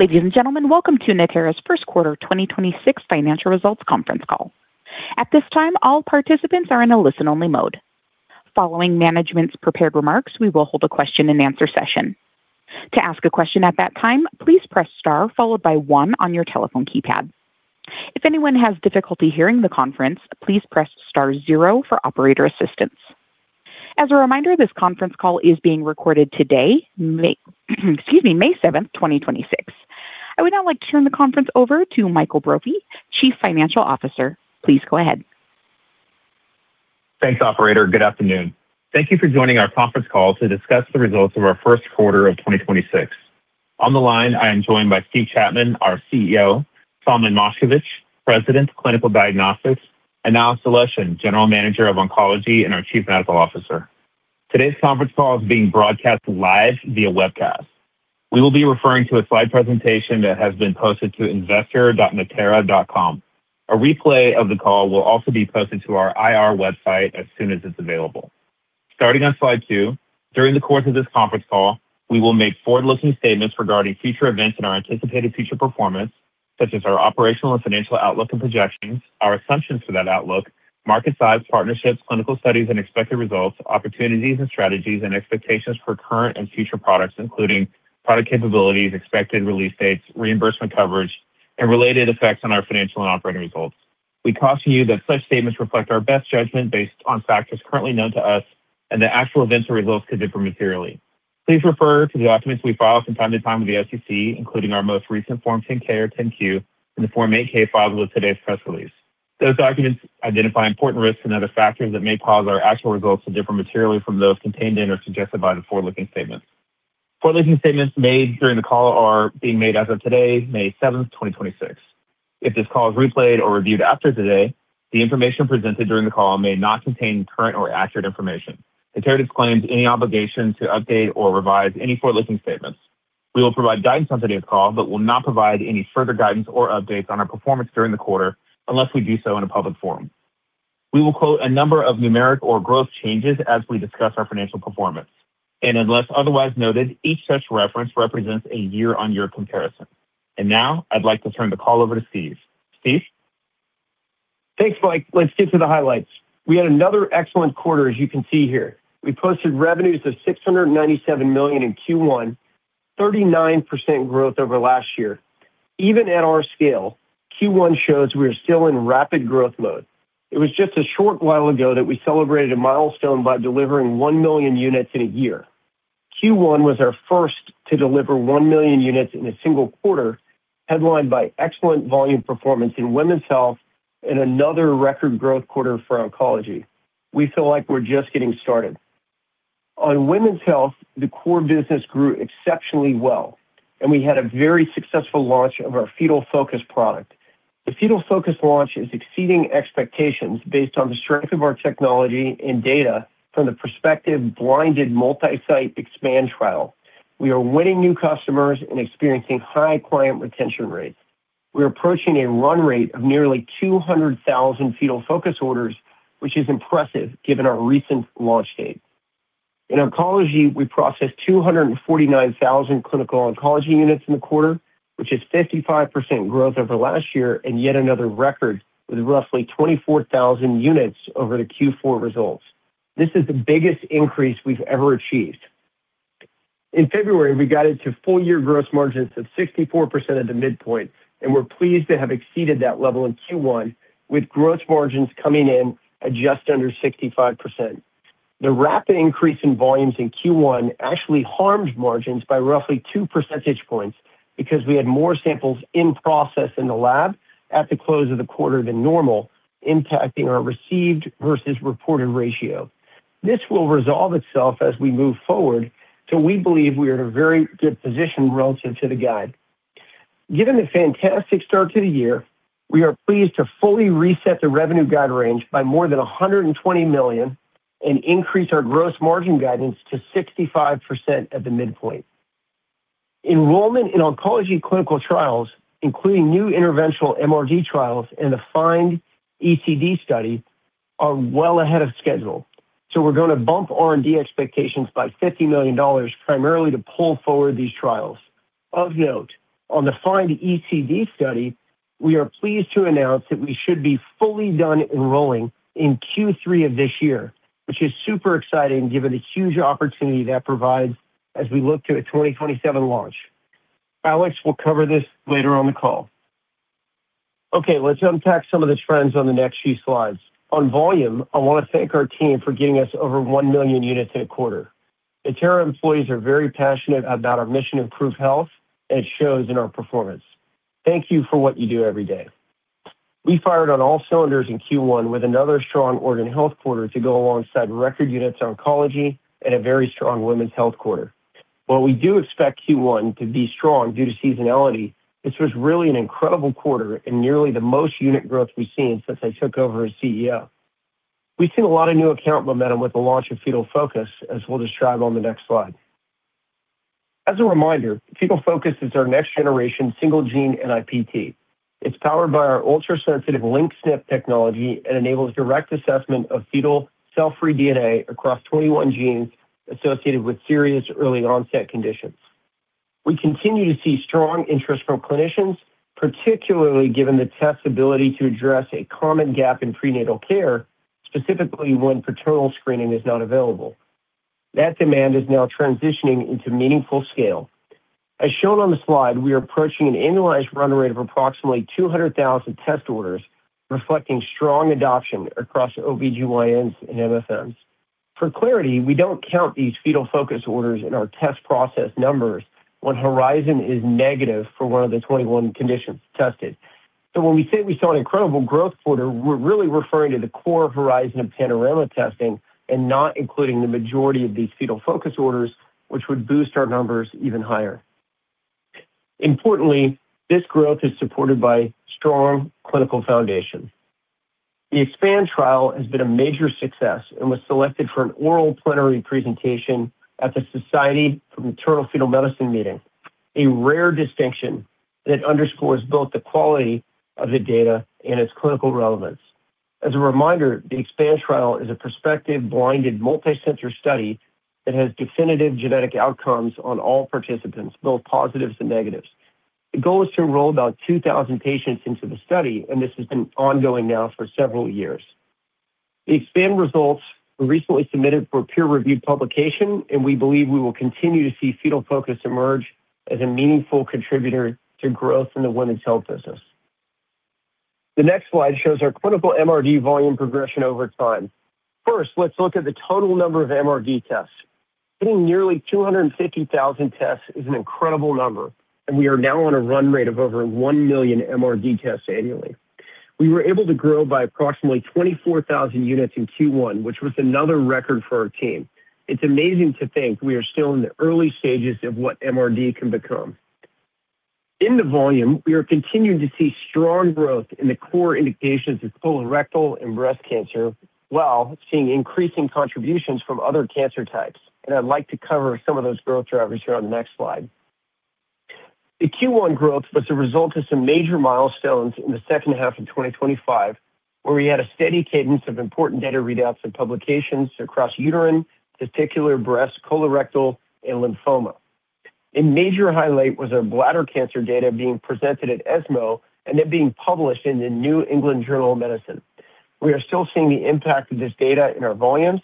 Ladies and gentlemen, welcome to Natera's first quarter 2026 financial results conference call. At this time, all participants are in a listen-only mode. Following management's prepared remarks, we will hold a question-and-answer session. To ask a question at that time, please press star followed by one on your telephone keypad. If anyone has difficulty hearing the conference, please press star zero for operator assistance. As a reminder, this conference call is being recorded today, May 7th, 2026. I would now like to turn the conference over to Michael Brophy, Chief Financial Officer. Please go ahead. Thanks, operator. Good afternoon. Thank you for joining our conference call to discuss the results of our first quarter of 2026. On the line, I am joined by Steve Chapman, our CEO, Solomon Moshkevich, President, Clinical Diagnostics, and Alexey Aleshin, General Manager of Oncology and our Chief Medical Officer. Today's conference call is being broadcast live via webcast. We will be referring to a slide presentation that has been posted to investor.natera.com. A replay of the call will also be posted to our IR website as soon as it's available. Starting on slide two, during the course of this conference call, we will make forward-looking statements regarding future events and our anticipated future performance, such as our operational and financial outlook and projections, our assumptions for that outlook, market size, partnerships, clinical studies and expected results, opportunities and strategies, and expectations for current and future products, including product capabilities, expected release dates, reimbursement coverage, and related effects on our financial and operating results. We caution you that such statements reflect our best judgment based on factors currently known to us and that actual events or results could differ materially. Please refer to the documents we file from time to time with the SEC, including our most recent Form 10-K or Form 10-Q and the Form 8-K filed with today's press release. Those documents identify important risks and other factors that may cause our actual results to differ materially from those contained in or suggested by the forward-looking statements. Forward-looking statements made during the call are being made as of today, May 7th, 2026. If this call is replayed or reviewed after today, the information presented during the call may not contain current or accurate information. Natera disclaims any obligation to update or revise any forward-looking statements. We will provide guidance on today's call, but will not provide any further guidance or updates on our performance during the quarter unless we do so in a public forum. We will quote a number of numeric or growth changes as we discuss our financial performance, unless otherwise noted, each such reference represents a year-on-year comparison. Now I'd like to turn the call over to Steve. Steve? Thanks, Mike. Let's get to the highlights. We had another excellent quarter as you can see here. We posted revenues of $697 million in Q1, 39% growth over last year. Even at our scale, Q1 shows we are still in rapid growth mode. It was just a short while ago that we celebrated a milestone by delivering 1 million units in a year. Q1 was our first to deliver 1 million units in a single quarter, headlined by excellent volume performance in women's health and another record growth quarter for oncology. We feel like we're just getting started. On women's health, the core business grew exceptionally well, and we had a very successful launch of our Fetal Focus product. The Fetal Focus launch is exceeding expectations based on the strength of our technology and data from the prospective blinded multi-site EXPAND trial. We are winning new customers and experiencing high client retention rates. We're approaching a run rate of nearly 200,000 Fetal Focus orders, which is impressive given our recent launch date. In oncology, we processed 249,000 clinical oncology units in the quarter, which is 55% growth over last year and yet another record with roughly 24,000 units over the Q4 results. This is the biggest increase we've ever achieved. In February, we guided to full-year gross margins of 64% at the midpoint, and we're pleased to have exceeded that level in Q1 with gross margins coming in at just under 65%. The rapid increase in volumes in Q1 actually harmed margins by roughly 2 percentage points because we had more samples in process in the lab at the close of the quarter than normal, impacting our received versus reported ratio. This will resolve itself as we move forward, we believe we are in a very good position relative to the guide. Given the fantastic start to the year, we are pleased to fully reset the revenue guide range by more than $120 million and increase our gross margin guidance to 65% at the midpoint. Enrollment in oncology clinical trials, including new interventional MRD trials and the FIND-ECD study, are well ahead of schedule. We're going to bump R&D expectations by $50 million primarily to pull forward these trials. Of note, on the FIND-ECD study, we are pleased to announce that we should be fully done enrolling in Q3 of this year, which is super exciting given the huge opportunity that provides as we look to a 2027 launch. Alexey will cover this later on the call. Let's unpack some of the trends on the next few slides. On volume, I want to thank our team for getting us over 1 million units in a quarter. Natera employees are very passionate about our mission to improve health, and it shows in our performance. Thank you for what you do every day. We fired on all cylinders in Q1 with another strong organ health quarter to go alongside record units oncology and a very strong women's health quarter. While we do expect Q1 to be strong due to seasonality, this was really an incredible quarter and nearly the most unit growth we've seen since I took over as CEO. We've seen a lot of new account momentum with the launch of Fetal Focus, as we'll describe on the next slide. As a reminder, Fetal Focus is our next generation single gene NIPT. It's powered by our ultra-sensitive LinkedSNP technology and enables direct assessment of fetal cell-free DNA across 21 genes associated with serious early onset conditions. We continue to see strong interest from clinicians, particularly given the test's ability to address a common gap in prenatal care, specifically when paternal screening is not available. That demand is now transitioning into meaningful scale. As shown on the slide, we are approaching an annualized run rate of approximately 200,000 test orders, reflecting strong adoption across OBGYNs and MFMs. For clarity, we don't count these Fetal Focus orders in our test process numbers when Rh is negative for one of the 21 conditions tested. When we say we saw an incredible growth quarter, we're really referring to the core Rh and Panorama testing and not including the majority of these Fetal Focus orders, which would boost our numbers even higher. Importantly, this growth is supported by strong clinical foundation. The EXPAND trial has been a major success and was selected for an oral plenary presentation at the Society for Maternal-Fetal Medicine meeting, a rare distinction that underscores both the quality of the data and its clinical relevance. As a reminder, the EXPAND trial is a prospective, blinded, multicenter study that has definitive genetic outcomes on all participants, both positives and negatives. The goal is to enroll about 2,000 patients into the study. This has been ongoing now for several years. The EXPAND results were recently submitted for peer-reviewed publication. We believe we will continue to see Fetal Focus emerge as a meaningful contributor to growth in the women's health business. The next slide shows our clinical MRD volume progression over time. First, let's look at the total number of MRD tests. Hitting nearly 250,000 tests is an incredible number. We are now on a run rate of over 1 million MRD tests annually. We were able to grow by approximately 24,000 units in Q1, which was another record for our team. It's amazing to think we are still in the early stages of what MRD can become. In the volume, we are continuing to see strong growth in the core indications of colorectal and breast cancer, while seeing increasing contributions from other cancer types. I'd like to cover some of those growth drivers here on the next slide. The Q1 growth was the result of some major milestones in the second half of 2025, where we had a steady cadence of important data readouts and publications across uterine, testicular, breast, colorectal, and lymphoma. A major highlight was our bladder cancer data being presented at ESMO and then being published in the New England Journal of Medicine. We are still seeing the impact of this data in our volumes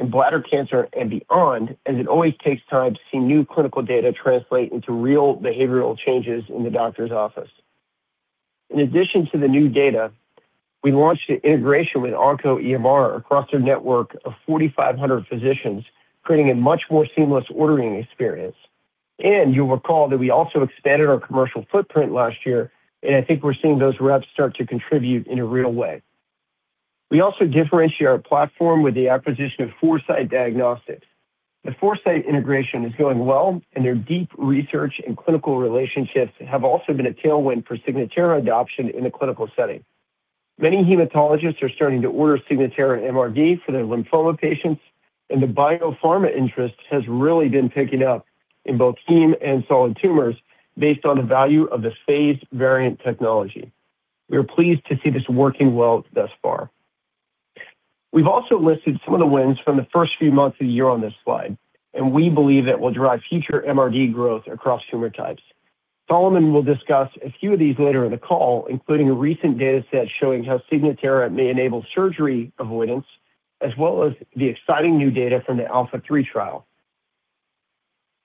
in bladder cancer and beyond, as it always takes time to see new clinical data translate into real behavioral changes in the doctor's office. In addition to the new data, we launched an integration with OncoEMR across their network of 4,500 physicians, creating a much more seamless ordering experience. You'll recall that we also expanded our commercial footprint last year, and I think we're seeing those reps start to contribute in a real way. We also differentiate our platform with the acquisition of Foresight Diagnostics. The Foresight integration is going well, and their deep research and clinical relationships have also been a tailwind for Signatera adoption in the clinical setting. Many hematologists are starting to order Signatera MRD for their lymphoma patients, and the biopharma interest has really been picking up in both heme and solid tumors based on the value of the phased variant technology. We are pleased to see this working well thus far. We've also listed some of the wins from the first few months of the year on this slide, and we believe that will drive future MRD growth across tumor types. Solomon will discuss a few of these later in the call, including a recent data set showing how Signatera may enable surgery avoidance, as well as the exciting new data from the ALPHA3 trial.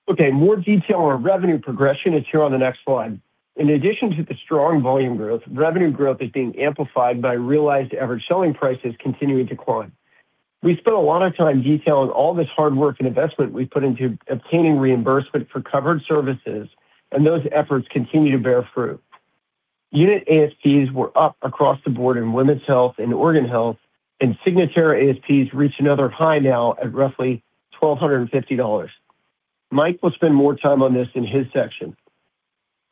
More detail on our revenue progression is here on the next slide. In addition to the strong volume growth, revenue growth is being amplified by realized average selling prices continuing to climb. We spent a lot of time detailing all this hard work and investment we put into obtaining reimbursement for covered services, and those efforts continue to bear fruit. Unit ASPs were up across the board in women's health and organ health, and Signatera ASPs reached another high now at roughly $1,250. Mike will spend more time on this in his section.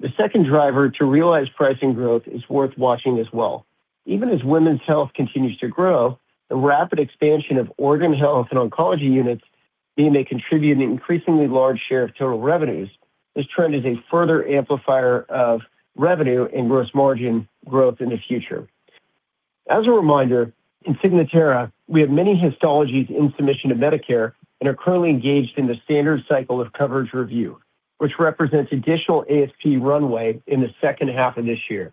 The second driver to realized pricing growth is worth watching as well. Even as women's health continues to grow, the rapid expansion of organ health and oncology units mean they contribute an increasingly large share of total revenues. This trend is a further amplifier of revenue and gross margin growth in the future. As a reminder, in Signatera, we have many histologies in submission to Medicare and are currently engaged in the standard cycle of coverage review, which represents additional ASP runway in the second half of this year.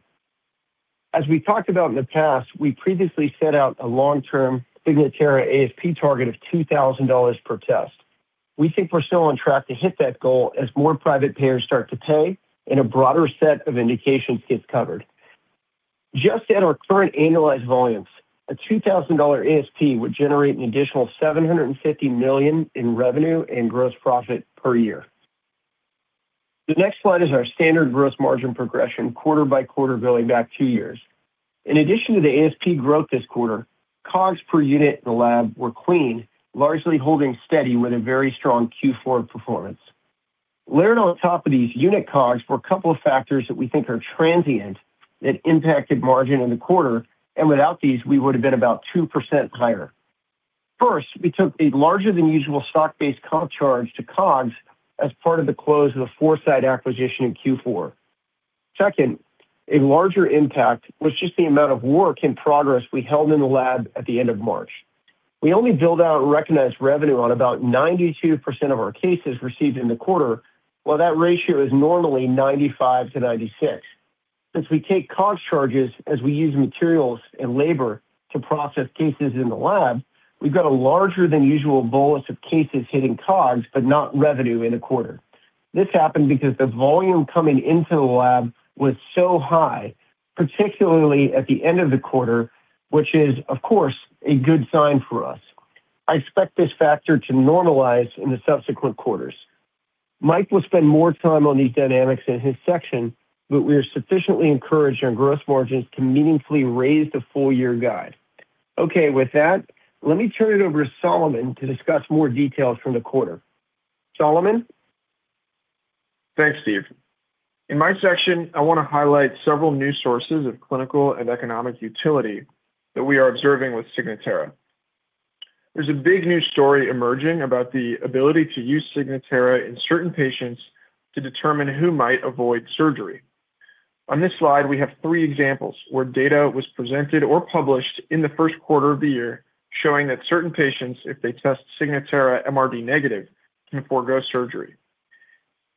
As we talked about in the past, we previously set out a long-term Signatera ASP target of $2,000 per test. We think we're still on track to hit that goal as more private payers start to pay and a broader set of indications gets covered. Just at our current annualized volumes, a $2,000 ASP would generate an additional $750 million in revenue and gross profit per year. The next slide is our standard gross margin progression quarter-by-quarter going back two years. In addition to the ASP growth this quarter, COGS per unit in the lab were clean, largely holding steady with a very strong Q4 performance. Layered on top of these unit COGS were a couple of factors that we think are transient that impacted margin in the quarter, and without these, we would have been about 2% higher. First, we took a larger than usual stock-based comp charge to COGS as part of the close of the Foresight acquisition in Q4. Second, a larger impact was just the amount of work in progress we held in the lab at the end of March. We only build out and recognize revenue on about 92% of our cases received in the quarter, while that ratio is normally 95%-96%. Since we take COGS charges as we use materials and labor to process cases in the lab, we've got a larger than usual bolus of cases hitting COGS, but not revenue in a quarter. This happened because the volume coming into the lab was so high, particularly at the end of the quarter, which is, of course, a good sign for us. I expect this factor to normalize in the subsequent quarters. Mike will spend more time on these dynamics in his section, but we are sufficiently encouraged on gross margins to meaningfully raise the full-year guide. Okay. With that, let me turn it over to Solomon to discuss more details from the quarter. Solomon? Thanks, Steve. In my section, I want to highlight several new sources of clinical and economic utility that we are observing with Signatera. There's a big new story emerging about the ability to use Signatera in certain patients to determine who might avoid surgery. On this slide, we have three examples where data was presented or published in the first quarter of the year showing that certain patients, if they test Signatera MRD negative, can forego surgery.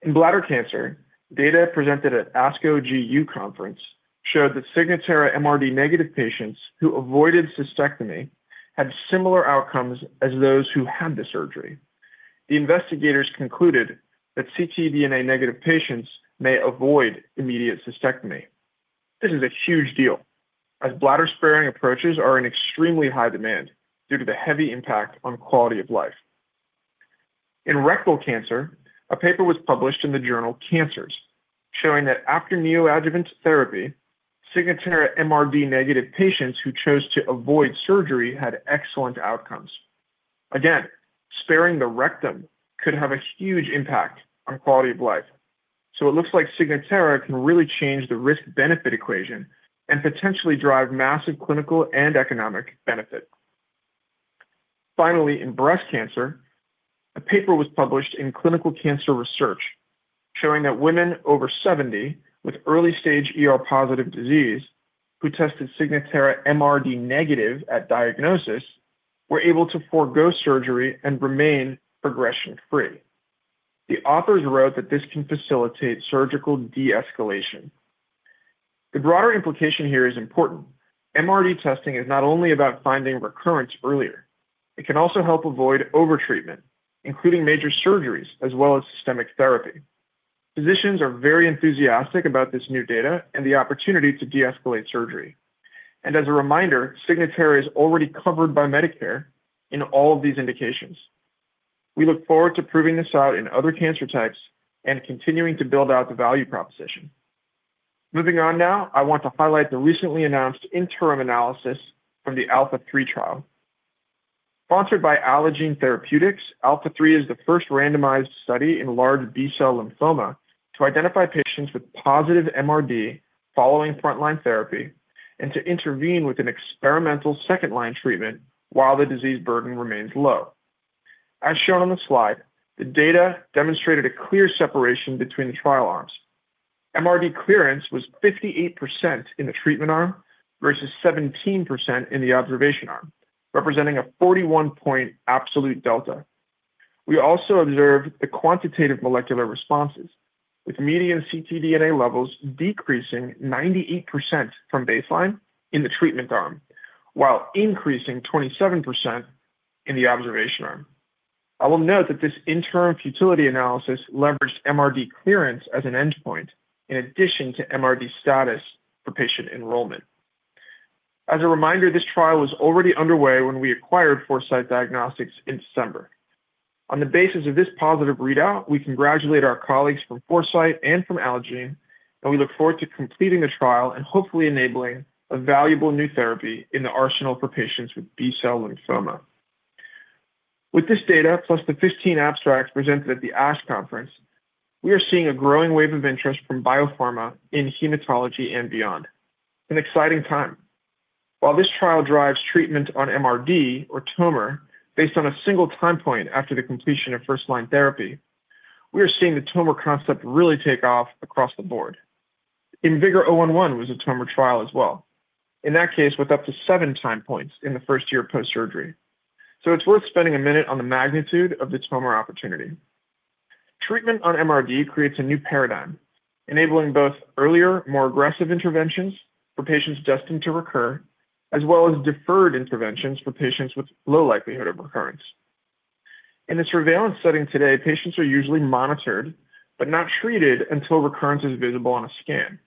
In bladder cancer, data presented at ASCO GU conference showed that Signatera MRD negative patients who avoided cystectomy had similar outcomes as those who had the surgery. The investigators concluded that ctDNA negative patients may avoid immediate cystectomy. This is a huge deal, as bladder-sparing approaches are in extremely high demand due to the heavy impact on quality of life. In rectal cancer, a paper was published in the journal Cancers showing that after neoadjuvant therapy, Signatera MRD negative patients who chose to avoid surgery had excellent outcomes. Again, sparing the rectum could have a huge impact on quality of life. It looks like Signatera can really change the risk-benefit equation and potentially drive massive clinical and economic benefit. Finally, in breast cancer, a paper was published in Clinical Cancer Research showing that women over 70 with early-stage ER-positive disease who tested Signatera MRD negative at diagnosis were able to forego surgery and remain progression-free. The authors wrote that this can facilitate surgical de-escalation. The broader implication here is important. MRD testing is not only about finding recurrence earlier. It can also help avoid overtreatment, including major surgeries as well as systemic therapy. Physicians are very enthusiastic about this new data and the opportunity to de-escalate surgery. As a reminder, Signatera is already covered by Medicare in all of these indications. We look forward to proving this out in other cancer types and continuing to build out the value proposition. Moving on now, I want to highlight the recently announced interim analysis from the ALPHA3 trial. Sponsored by Allogene Therapeutics, ALPHA3 is the first randomized study in large B-cell lymphoma to identify patients with positive MRD following frontline therapy and to intervene with an experimental second-line treatment while the disease burden remains low. As shown on the slide, the data demonstrated a clear separation between the trial arms. MRD clearance was 58% in the treatment arm versus 17% in the observation arm, representing a 41 point absolute delta. We also observed the quantitative molecular responses, with median ctDNA levels decreasing 98% from baseline in the treatment arm, while increasing 27% in the observation arm. I will note that this interim futility analysis leveraged MRD clearance as an endpoint in addition to MRD status for patient enrollment. As a reminder, this trial was already underway when we acquired Foresight Diagnostics in December. On the basis of this positive readout, we congratulate our colleagues from Foresight and from Allogene Therapeutics, and we look forward to completing the trial and hopefully enabling a valuable new therapy in the arsenal for patients with B-cell lymphoma. With this data, plus the 15 abstracts presented at the ASH conference, we are seeing a growing wave of interest from biopharma in hematology and beyond. An exciting time. While this trial drives treatment on MRD or tumor based on a single time point after the completion of first-line therapy, we are seeing the MRD concept really take off across the board. IMvigor011 was an MRD trial as well, in that case, with up to seven time points in the first year of post-surgery. It's worth spending a minute on the magnitude of the MRD opportunity. Treatment on MRD creates a new paradigm, enabling both earlier, more aggressive interventions for patients destined to recur, as well as deferred interventions for patients with low likelihood of recurrence. In the surveillance setting today, patients are usually monitored but not treated until recurrence is visible on a scan.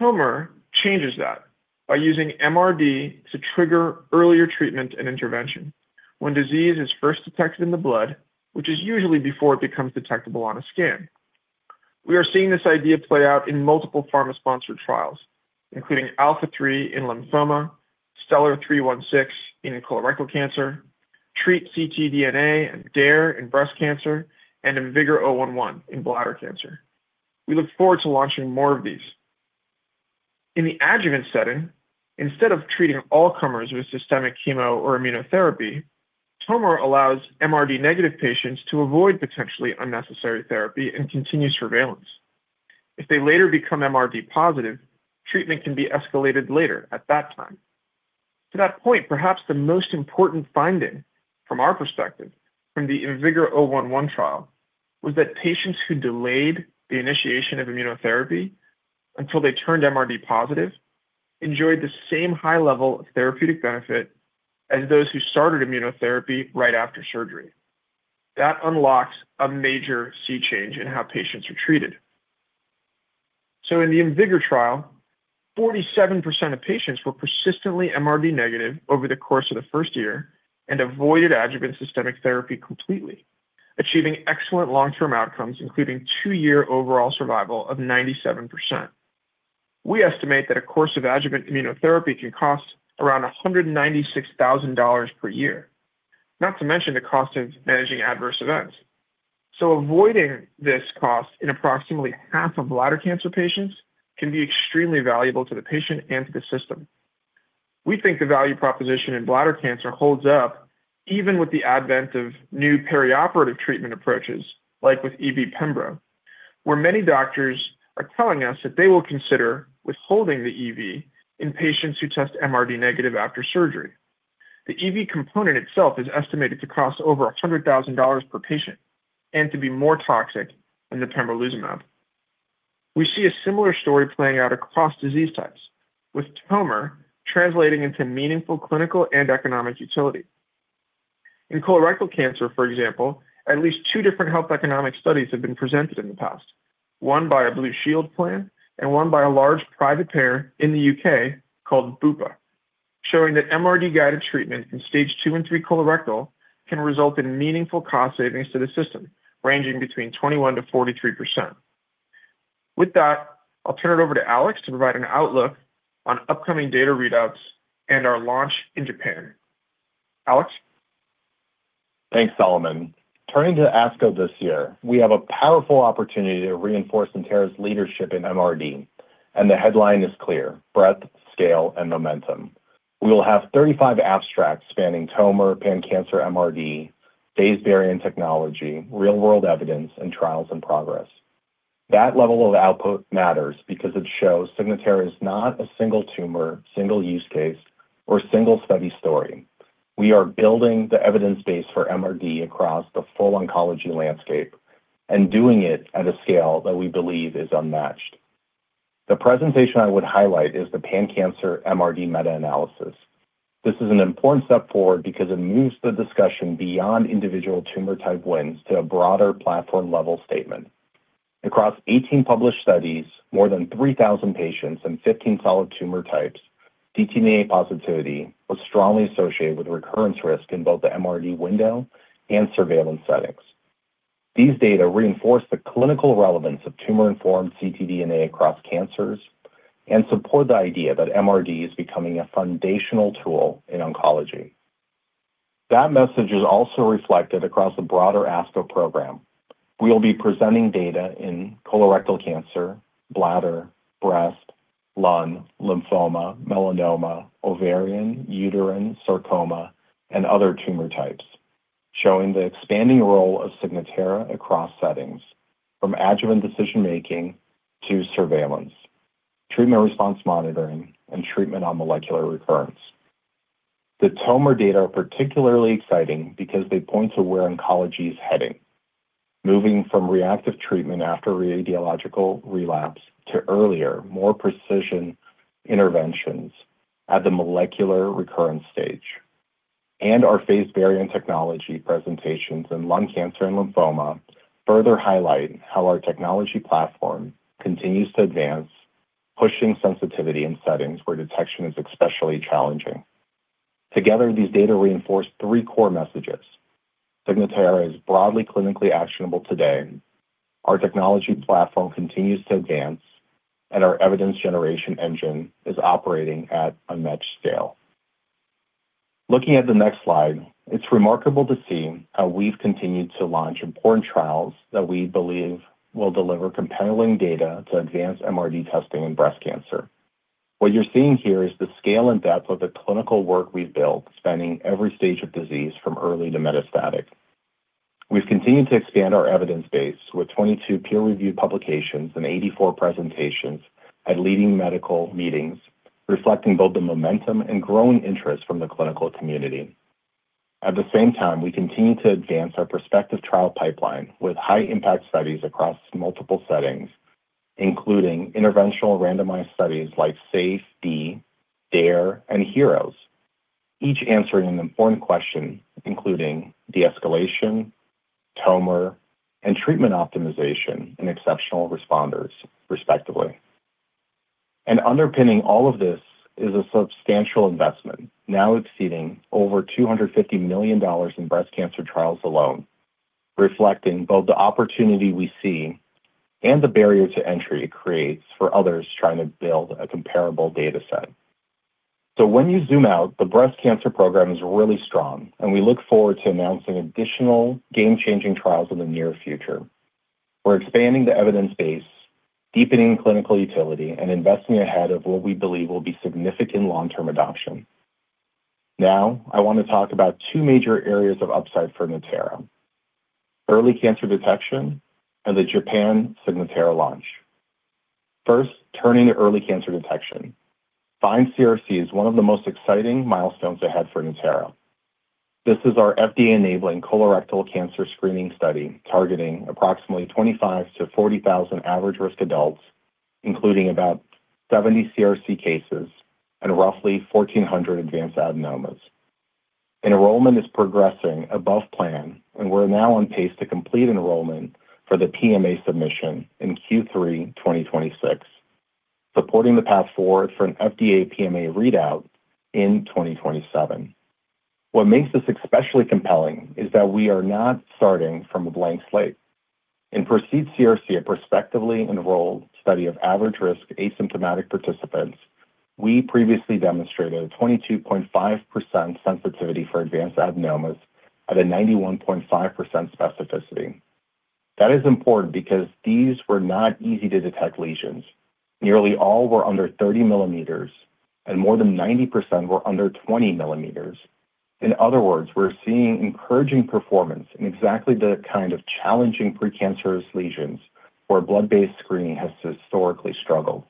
MRD changes that by using MRD to trigger earlier treatment and intervention when disease is first detected in the blood, which is usually before it becomes detectable on a scan. We are seeing this idea play out in multiple pharma-sponsored trials, including ALPHA3 in lymphoma, STELLAR-316 in colorectal cancer, TREAT ctDNA and DARE in breast cancer, and IMvigor011 in bladder cancer. We look forward to launching more of these in the adjuvant setting, instead of treating all comers with systemic chemo or immunotherapy, TOMR allows MRD negative patients to avoid potentially unnecessary therapy and continuous surveillance. If they later become MRD positive, treatment can be escalated later at that time. To that point, perhaps the most important finding from our perspective from the IMvigor011 trial was that patients who delayed the initiation of immunotherapy until they turned MRD positive enjoyed the same high level of therapeutic benefit as those who started immunotherapy right after surgery. That unlocks a major sea change in how patients are treated. In the IMvigor011 trial, 47% of patients were persistently MRD negative over the course of the first year and avoided adjuvant systemic therapy completely, achieving excellent long-term outcomes, including two-year overall survival of 97%. We estimate that a course of adjuvant immunotherapy can cost around $196,000 per year, not to mention the cost of managing adverse events. Avoiding this cost in approximately half of bladder cancer patients can be extremely valuable to the patient and to the system. We think the value proposition in bladder cancer holds up even with the advent of new perioperative treatment approaches, like with EV-pembro, where many doctors are telling us that they will consider withholding the EV in patients who test MRD negative after surgery. The EV component itself is estimated to cost over $100,000 per patient and to be more toxic than the pembrolizumab. We see a similar story playing out across disease types, with TOMR translating into meaningful clinical and economic utility. In colorectal cancer, for example, at least two different health economic studies have been presented in the past, one by a Blue Shield plan and one by a large private payer in the U.K. called Bupa, showing that MRD-guided treatment in stage II and III colorectal can result in meaningful cost savings to the system, ranging between 21%-43%. With that, I'll turn it over to Alex to provide an outlook on upcoming data readouts and our launch in Japan. Alex? Thanks, Solomon. Turning to ASCO this year, we have a powerful opportunity to reinforce Signatera's leadership in MRD. The headline is clear: breadth, scale, and momentum. We will have 35 abstracts spanning TOMR, pan-cancer MRD, phased variant technology, real-world evidence, and trials in progress. That level of output matters because it shows Signatera is not a single tumor, single use case, or single study story. We are building the evidence base for MRD across the full oncology landscape and doing it at a scale that we believe is unmatched. The presentation I would highlight is the pan-cancer MRD meta-analysis. This is an important step forward because it moves the discussion beyond individual tumor type wins to a broader platform-level statement. Across 18 published studies, more than 3,000 patients in 15 solid tumor types, ctDNA positivity was strongly associated with recurrence risk in both the MRD window and surveillance settings. These data reinforce the clinical relevance of tumor-informed ctDNA across cancers and support the idea that MRD is becoming a foundational tool in oncology. That message is also reflected across the broader ASCO program. We will be presenting data in colorectal cancer, bladder, breast, lung, lymphoma, melanoma, ovarian, uterine, sarcoma, and other tumor types, showing the expanding role of Signatera across settings from adjuvant decision-making to surveillance, treatment response monitoring, and treatment on molecular recurrence. The TOMR data are particularly exciting because they point to where oncology is heading, moving from reactive treatment after radiological relapse to earlier, more precision interventions at the molecular recurrence stage. Our phased variant technology presentations in lung cancer and lymphoma further highlight how our technology platform continues to advance, pushing sensitivity in settings where detection is especially challenging. Together, these data reinforce three core messages. Signatera is broadly clinically actionable today, our technology platform continues to advance, and our evidence generation engine is operating at unmatched scale. Looking at the next slide, it is remarkable to see how we've continued to launch important trials that we believe will deliver compelling data to advance MRD testing in breast cancer. What you're seeing here is the scale and depth of the clinical work we've built, spanning every stage of disease from early to metastatic. We've continued to expand our evidence base with 22 peer-reviewed publications and 84 presentations at leading medical meetings, reflecting both the momentum and growing interest from the clinical community. At the same time, we continue to advance our prospective trial pipeline with high-impact studies across multiple settings, including interventional randomized studies like SAFE, DARE, and HEROES, each answering an important question, including de-escalation, TOMR, and treatment optimization in exceptional responders, respectively. Underpinning all of this is a substantial investment, now exceeding over $250 million in breast cancer trials alone, reflecting both the opportunity we see and the barrier to entry it creates for others trying to build a comparable data set. When you zoom out, the breast cancer program is really strong, and we look forward to announcing additional game-changing trials in the near future. We're expanding the evidence base, deepening clinical utility, and investing ahead of what we believe will be significant long-term adoption. I want to talk about two major areas of upside for Natera: early cancer detection and the Japan Signatera launch. Turning to early cancer detection. FIND-CRC is one of the most exciting milestones ahead for Natera. This is our FDA-enabling colorectal cancer screening study targeting approximately 25 to 40,000 average-risk adults, including about 70 CRC cases and roughly 1,400 advanced adenomas. Enrollment is progressing above plan, we're now on pace to complete enrollment for the PMA submission in Q3 2026, supporting the path forward for an FDA PMA readout in 2027. What makes this especially compelling is that we are not starting from a blank slate. In PROCEED-CRC, a prospectively enrolled study of average-risk asymptomatic participants, we previously demonstrated a 22.5% sensitivity for advanced adenomas at a 91.5% specificity. That is important because these were not easy-to-detect lesions. Nearly all were under 30 millimeters, and more than 90% were under 20 millimeters. In other words, we're seeing encouraging performance in exactly the kind of challenging precancerous lesions where blood-based screening has historically struggled.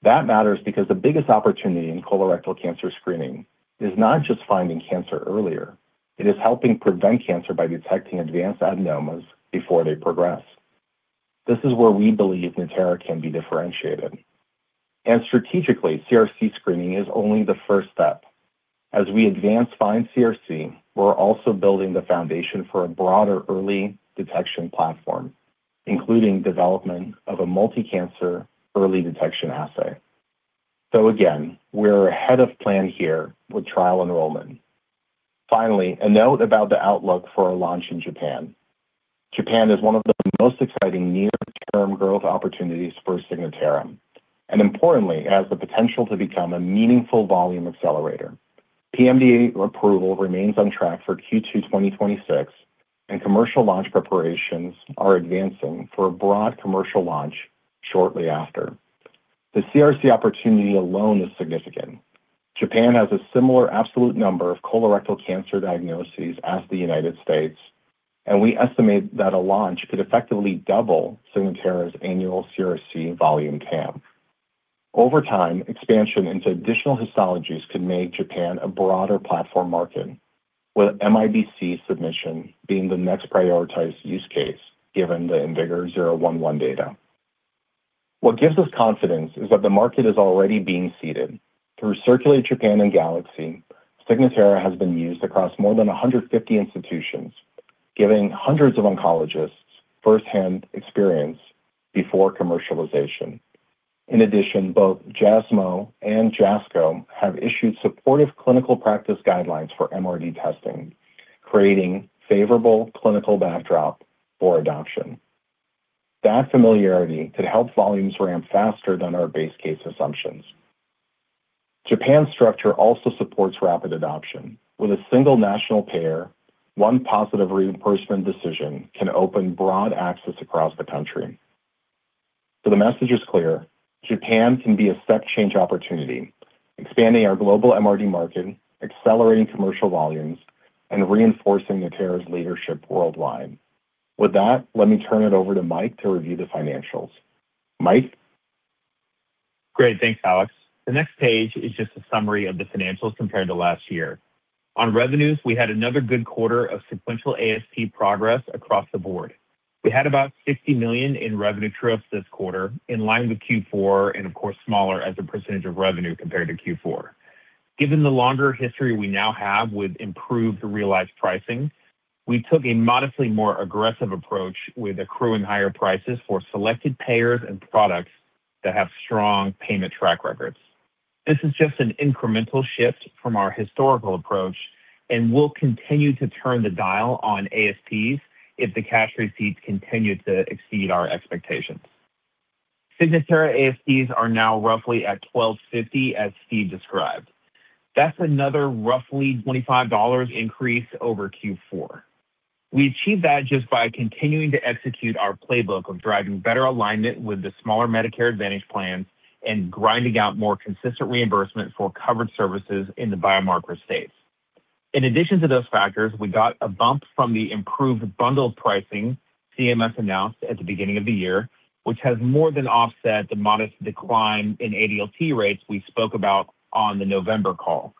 That matters because the biggest opportunity in colorectal cancer screening is not just finding cancer earlier. It is helping prevent cancer by detecting advanced adenomas before they progress. This is where we believe Natera can be differentiated. Strategically, CRC screening is only the first step. As we advance FIND-CRC, we're also building the foundation for a broader early detection platform, including development of a multi-cancer early detection assay. Again, we're ahead of plan here with trial enrollment. Finally, a note about the outlook for our launch in Japan. Japan is one of the most exciting near-term growth opportunities for Signatera and importantly, it has the potential to become a meaningful volume accelerator. PMDA approval remains on track for Q2 2026, and commercial launch preparations are advancing for a broad commercial launch shortly after. The CRC opportunity alone is significant. Japan has a similar absolute number of colorectal cancer diagnoses as the U.S., and we estimate that a launch could effectively double Signatera's annual CRC volume TAM. Over time, expansion into additional histologies could make Japan a broader platform market, with MIBC submission being the next prioritized use case given the IMvigor011 data. What gives us confidence is that the market is already being seeded through CIRCULATE-Japan and GALAXY. Signatera has been used across more than 150 institutions, giving hundreds of oncologists firsthand experience before commercialization. In addition, both JSMO and JSCO have issued supportive clinical practice guidelines for MRD testing, creating favorable clinical backdrop for adoption. That familiarity could help volumes ramp faster than our base case assumptions. Japan's structure also supports rapid adoption. With a single national payer, one positive reimbursement decision can open broad access across the country. The message is clear: Japan can be a step change opportunity, expanding our global MRD market, accelerating commercial volumes, and reinforcing Natera's leadership worldwide. With that, let me turn it over to Mike to review the financials. Mike? Great. Thanks, Alex. The next page is just a summary of the financials compared to last year. On revenues, we had another good quarter of sequential ASP progress across the board. We had about $60 million in revenue true-ups this quarter, in line with Q4 and of course, smaller as a percentage of revenue compared to Q4. Given the longer history we now have with improved realized pricing, we took a modestly more aggressive approach with accruing higher prices for selected payers and products that have strong payment track records. This is just an incremental shift from our historical approach, we'll continue to turn the dial on ASPs if the cash receipts continue to exceed our expectations. Signatera ASPs are now roughly at $1,250, as Steve described. That's another roughly $25 increase over Q4. We achieved that just by continuing to execute our playbook of driving better alignment with the smaller Medicare Advantage plans and grinding out more consistent reimbursement for covered services in the biomarkers space. In addition to those factors, we got a bump from the improved bundled pricing CMS announced at the beginning of the year, which has more than offset the modest decline in ADLT rates we spoke about on the November call.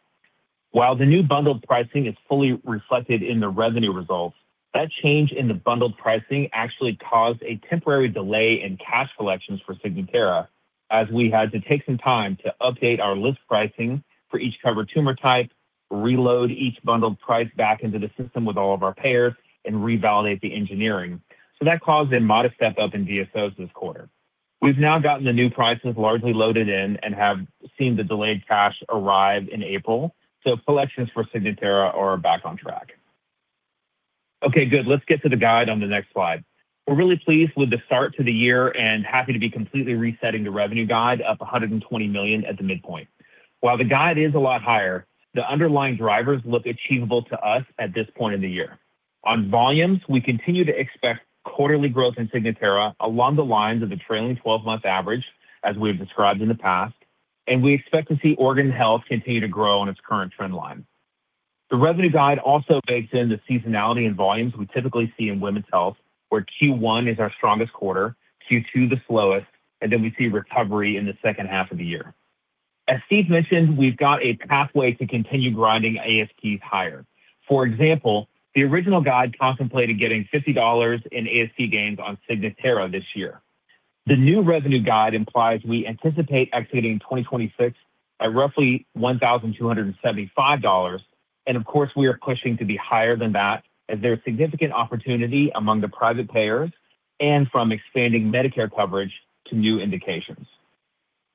While the new bundled pricing is fully reflected in the revenue results, that change in the bundled pricing actually caused a temporary delay in cash collections for Signatera, as we had to take some time to update our list pricing for each covered tumor type, reload each bundled price back into the system with all of our payers and revalidate the engineering. That caused a modest step-up in DSOs this quarter. We've now gotten the new prices largely loaded in and have seen the delayed cash arrive in April, so collections for Signatera are back on track. Good. Let's get to the guide on the next slide. We're really pleased with the start to the year and happy to be completely resetting the revenue guide up $120 million at the midpoint. While the guide is a lot higher, the underlying drivers look achievable to us at this point in the year. On volumes, we continue to expect quarterly growth in Signatera along the lines of the trailing 12-month average, as we have described in the past. We expect to see organ health continue to grow on its current trend line. The revenue guide also bakes in the seasonality and volumes we typically see in women's health, where Q1 is our strongest quarter, Q2 the slowest, and then we see recovery in the second half of the year. As Steve mentioned, we've got a pathway to continue grinding ASPs higher. For example, the original guide contemplated getting $50 in ASP gains on Signatera this year. The new revenue guide implies we anticipate exiting 2026 at roughly $1,275, and of course, we are pushing to be higher than that as there are significant opportunity among the private payers and from expanding Medicare coverage to new indications.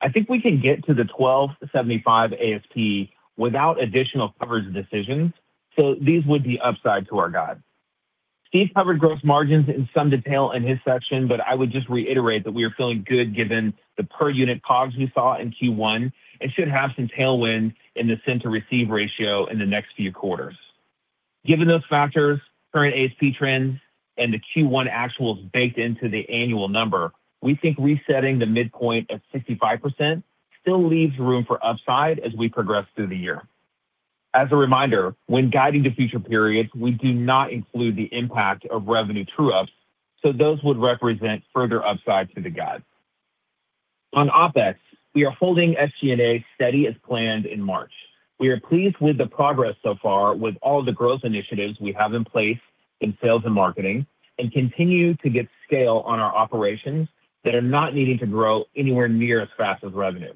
I think we can get to the $1,275 ASP without additional coverage decisions, so these would be upside to our guide. Steve covered gross margins in some detail in his section, but I would just reiterate that we are feeling good given the per unit COGS we saw in Q1 and should have some tailwind in the send-to-receive ratio in the next few quarters. Given those factors, current ASP trends, and the Q1 actuals baked into the annual number, we think resetting the midpoint at 65% still leaves room for upside as we progress through the year. As a reminder, when guiding to future periods, we do not include the impact of revenue true-ups, so those would represent further upside to the guide. On OpEx, we are holding SG&A steady as planned in March. We are pleased with the progress so far with all the growth initiatives we have in place in sales and marketing and continue to get scale on our operations that are not needing to grow anywhere near as fast as revenue.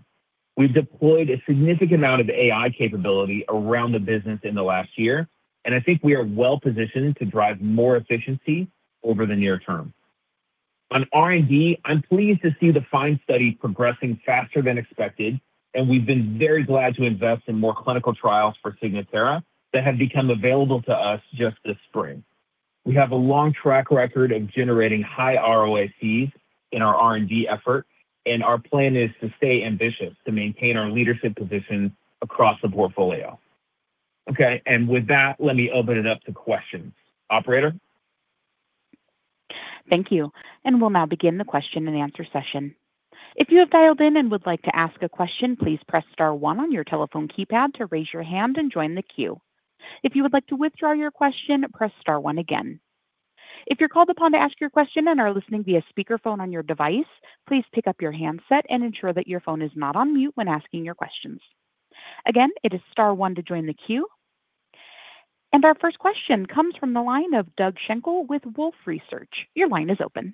We've deployed a significant amount of AI capability around the business in the last year, and I think we are well-positioned to drive more efficiency over the near term. On R&D, I'm pleased to see the FIND study progressing faster than expected, and we've been very glad to invest in more clinical trials for Signatera that have become available to us just this spring. We have a long track record of generating high ROIC in our R&D efforts. Our plan is to stay ambitious to maintain our leadership position across the portfolio. Okay. With that, let me open it up to questions. Operator? Thank you. We'll now begin the question and answer session. If you have dialed in and would like to ask a question, please press star one on your telephone keypad to raise your hand and join the queue. If you would like to withdraw your question, press star pne again. If you're called upon to ask your question and are listening via speakerphone on your device, please pick up your handset and ensure that your phone is not on mute when asking your questions. Again, it is star one to join the queue. Our first question comes from the line of Doug Schenkel with Wolfe Research. Your line is open.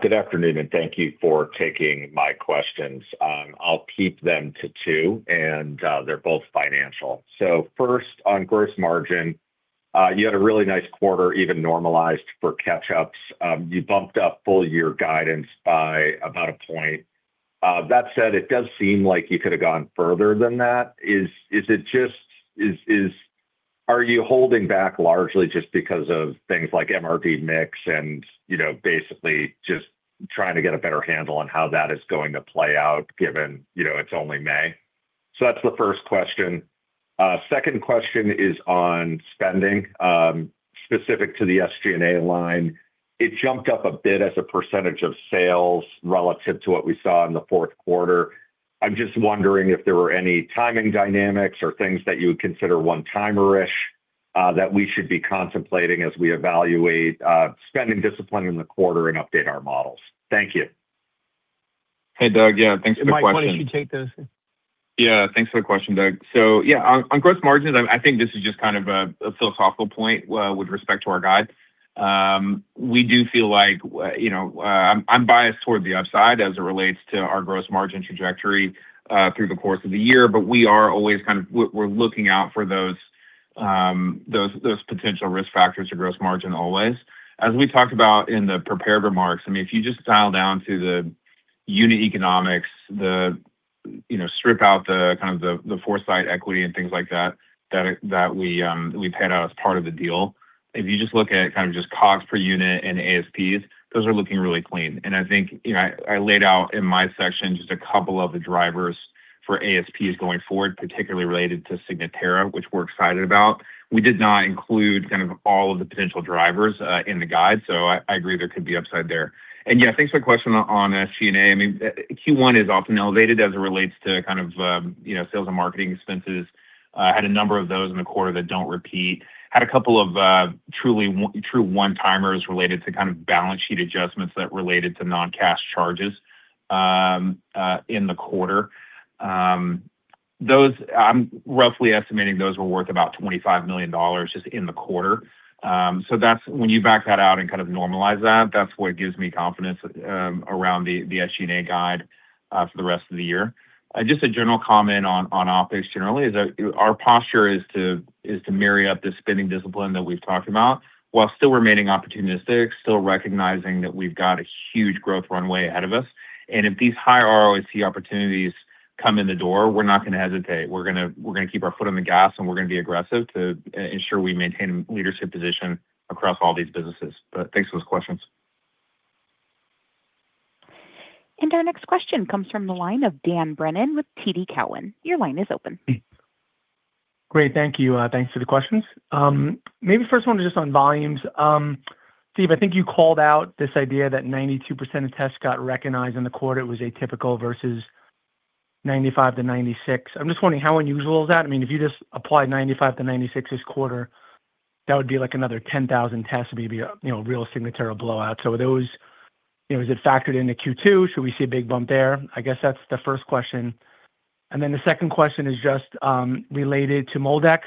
Good afternoon, and thank you for taking my questions. I'll keep them to two, and they're both financial. First, on gross margin, you had a really nice quarter, even normalized for catch-ups. You bumped up full-year guidance by about a point. That said, it does seem like you could have gone further than that. Are you holding back largely just because of things like MRD mix and, you know, basically just trying to get a better handle on how that is going to play out given, you know, it's only May? That's the first question. Second question is on spending, specific to the SG&A line. It jumped up a bit as a percentage of sales relative to what we saw in the fourth quarter. I'm just wondering if there were any timing dynamics or things that you would consider one-timer-ish, that we should be contemplating as we evaluate, spending discipline in the quarter and update our models. Thank you. Hey, Doug. Yeah, thanks for the question. Mike, why don't you take this? Yeah. Thanks for the question, Doug Schenkel. Yeah, on gross margins, I think this is just kind of a philosophical point with respect to our guide. We do feel like, you know, I'm biased toward the upside as it relates to our gross margin trajectory through the course of the year, but we are always looking out for those potential risk factors to gross margin always. As we talked about in the prepared remarks, I mean, if you just dial down to the unit economics, you know, strip out the kind of the Foresight Diagnostics equity and things like that that we paid out as part of the deal. If you just look at kind of just COGS per unit and ASPs, those are looking really clean. I think, you know, I laid out in my section just a couple of the drivers for ASPs going forward, particularly related to Signatera, which we're excited about. We did not include kind of all of the potential drivers in the guide, so I agree there could be upside there. Yeah, thanks for the question on SG&A. I mean, Q1 is often elevated as it relates to kind of, you know, sales and marketing expenses. Had a number of those in the quarter that don't repeat. Had a couple of true one-timers related to kind of balance sheet adjustments that related to non-cash charges in the quarter. I'm roughly estimating those were worth about $25 million just in the quarter. When you back that out and kind of normalize that's what gives me confidence around the SG&A guide for the rest of the year. Just a general comment on OpEx generally is that our posture is to marry up the spending discipline that we've talked about while still remaining opportunistic, still recognizing that we've got a huge growth runway ahead of us. If these high ROIC opportunities come in the door, we're not gonna hesitate. We're gonna keep our foot on the gas, and we're gonna be aggressive to ensure we maintain a leadership position across all these businesses. Thanks for those questions. Our next question comes from the line of Dan Brennan with TD Cowen. Your line is open. Great. Thank you. Thanks for the questions. Maybe first one just on volumes. Steve, I think you called out this idea that 92% of tests got recognized in the quarter was atypical versus 95%-96%. I'm just wondering how unusual is that? I mean, if you just applied 95%-96% this quarter, that would be like another 10,000 tests, maybe a real Signatera blowout. Are those-- You know, is it factored into Q2? Should we see a big bump there? I guess that's the first question. The second question is just related to MolDX.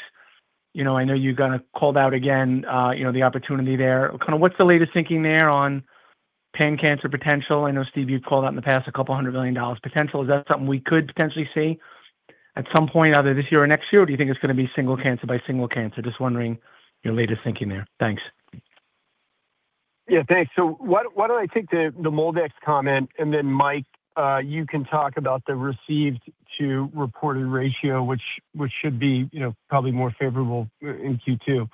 You know, I know you kinda called out again, you know, the opportunity there. Kinda what's the latest thinking there on pan-cancer potential? I know, Steve, you've called out in the past a $200 million potential. Is that something we could potentially see at some point, either this year or next year? Do you think it's gonna be single cancer by single cancer? Just wondering your latest thinking there. Thanks. Yeah, thanks. Why don't I take the MolDX comment, then Mike, you can talk about the received to reported ratio, which should be, you know, probably more favorable in Q2.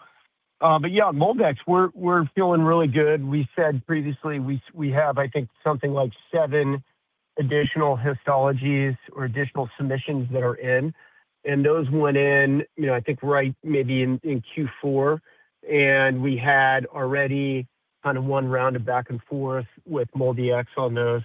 Yeah, MolDX, we're feeling really good. We said previously, we have, I think, something like seven additional histologies or additional submissions that are in. Those went in, you know, I think, right maybe in Q4. We had already kind of one round of back and forth with MolDX on those.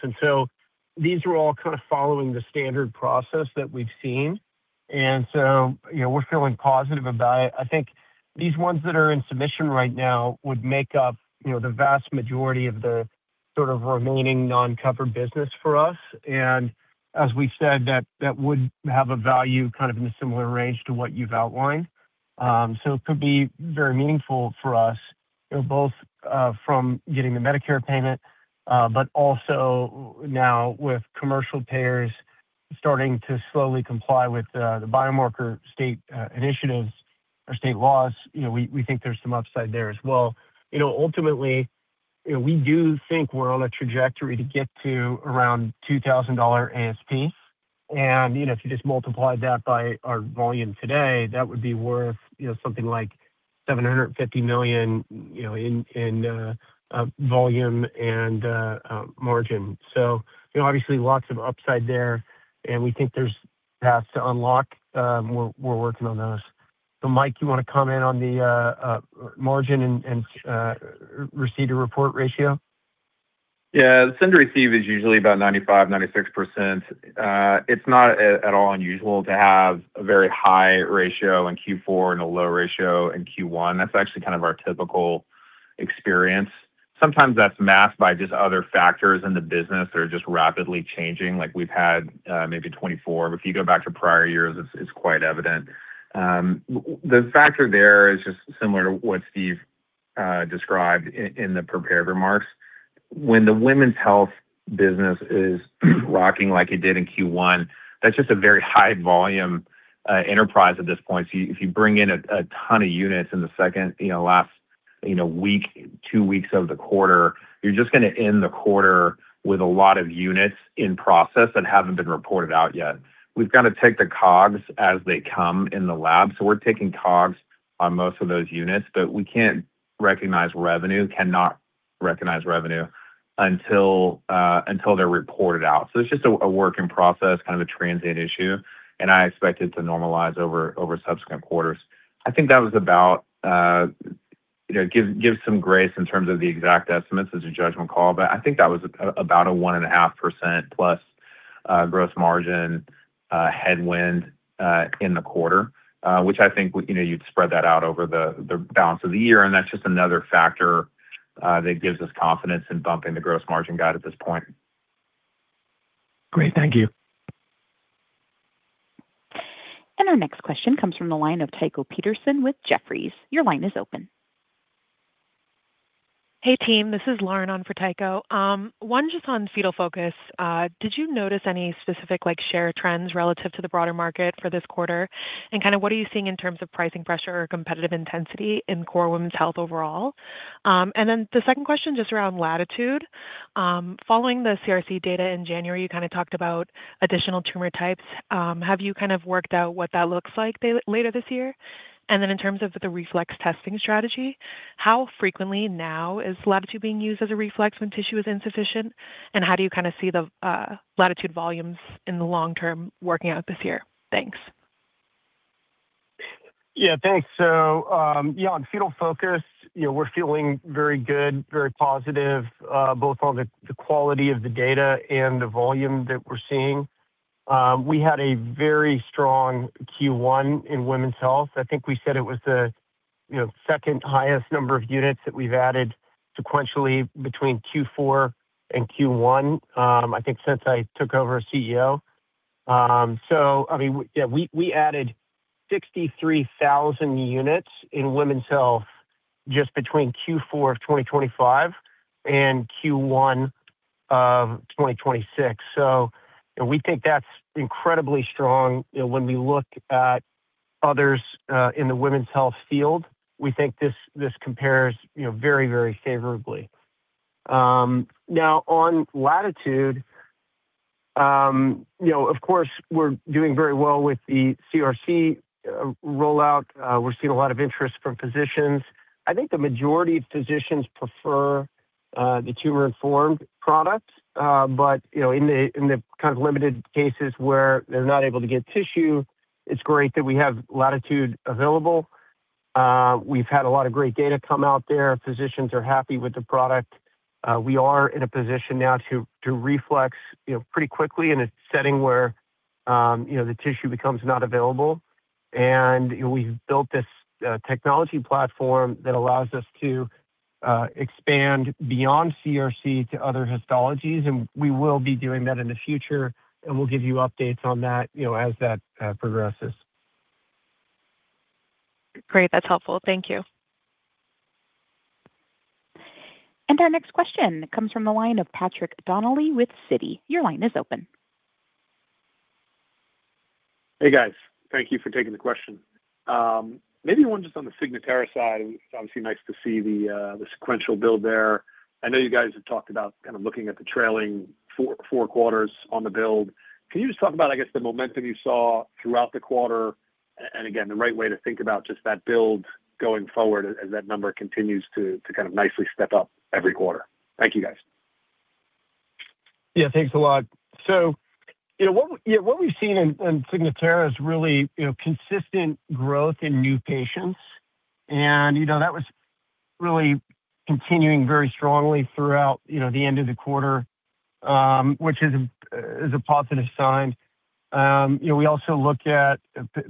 These are all kind of following the standard process that we've seen. You know, we're feeling positive about it. I think these first that are in submission right now would make up, you know, the vast majority of the sort of remaining non-covered business for us. As we've said, that would have a value in a similar range to what you've outlined. It could be very meaningful for us, both from getting the Medicare payment, but also now with commercial payers starting to slowly comply with the biomarker state initiatives or state laws. We think there's some upside there as well. Ultimately, we do think we're on a trajectory to get to around $2,000 ASP. If you multiply that by our volume today, that would be worth something like $750 million in volume and margin. Obviously lots of upside there, and we think there's paths to unlock. We're working on those. Mike, you wanna comment on the margin and received to report ratio? Yeah. The send receive is usually about 95%, 96%. It's not at all unusual to have a very high ratio in Q4 and a low ratio in Q1. That's actually kind of our typical experience. Sometimes that's masked by just other factors in the business that are just rapidly changing, like we've had, maybe 2024. If you go back to prior years, it's quite evident. The factor there is just similar to what Steve Chapman described in the prepared remarks. When the women's health business is rocking like it did in Q1, that's just a very high volume, enterprise at this point. If you bring in a ton of units in the second, you know, last, you know, week, two weeks of the quarter, you're just going to end the quarter with a lot of units in process that haven't been reported out yet. We've got to take the COGS as they come in the lab, so we're taking COGS on most of those units. We can't recognize revenue, cannot recognize revenue until until they're reported out. It's just a work in process, kind of a transient issue, and I expect it to normalize over subsequent quarters. I think that was about, you know, give some grace in terms of the exact estimates. It's a judgment call. I think that was about a 1.5% plus gross margin headwind in the quarter. Which I think, you know, you'd spread that out over the balance of the year, and that's just another factor that gives us confidence in bumping the gross margin guide at this point. Great. Thank you. Our next question comes from the line of Tycho Peterson with Jefferies. Your line is open. Hey, team. This is Lauren on for Tycho. One just on Fetal Focus. Did you notice any specific, like, share trends relative to the broader market for this quarter? Kinda what are you seeing in terms of pricing pressure or competitive intensity in core women's health overall? Then the second question just around Latitude. Following the CRC data in January, you kinda talked about additional tumor types. Have you kind of worked out what that looks like later this year? Then in terms of the reflex testing strategy, how frequently now is Latitude being used as a reflex when tissue is insufficient? How do you kinda see the Latitude volumes in the long term working out this year? Thanks. Yeah, thanks. On Fetal Focus, you know, we're feeling very good, very positive, both on the quality of the data and the volume that we're seeing. We had a very strong Q1 in women's health. I think we said it was the, you know, second highest number of units that we've added sequentially between Q4 and Q1, I think since I took over as CEO. I mean, we added 63,000 units in women's health just between Q4 of 2025 and Q1 of 2026. You know, we think that's incredibly strong. You know, when we look at others in the women's health field, we think this compares, you know, very favorably. Now on Latitude, you know, of course, we're doing very well with the CRC rollout. We're seeing a lot of interest from physicians. I think the majority of physicians prefer the tumor-informed products. You know, in the kind of limited cases where they're not able to get tissue, it's great that we have Latitude available. We've had a lot of great data come out there. Physicians are happy with the product. We are in a position now to reflex, you know, pretty quickly in a setting where, you know, the tissue becomes not available. We've built this technology platform that allows us to expand beyond CRC to other histologies, and we will be doing that in the future. We'll give you updates on that, you know, as that progresses. Great. That's helpful. Thank you. Our next question comes from the line of Patrick Donnelly with Citi. Your line is open. Hey, guys. Thank you for taking the question. Maybe one just on the Signatera side. It's obviously nice to see the sequential build there. I know you guys have talked about kind of looking at the trailing four quarters on the build. Can you just talk about, I guess, the momentum you saw throughout the quarter and again, the right way to think about just that build going forward as that number continues to kind of nicely step up every quarter? Thank you, guys. Thanks a lot. You know, what we've seen in Signatera is really, you know, consistent growth in new patients. You know, that was really continuing very strongly throughout, you know, the end of the quarter, which is a positive sign. You know, we also look at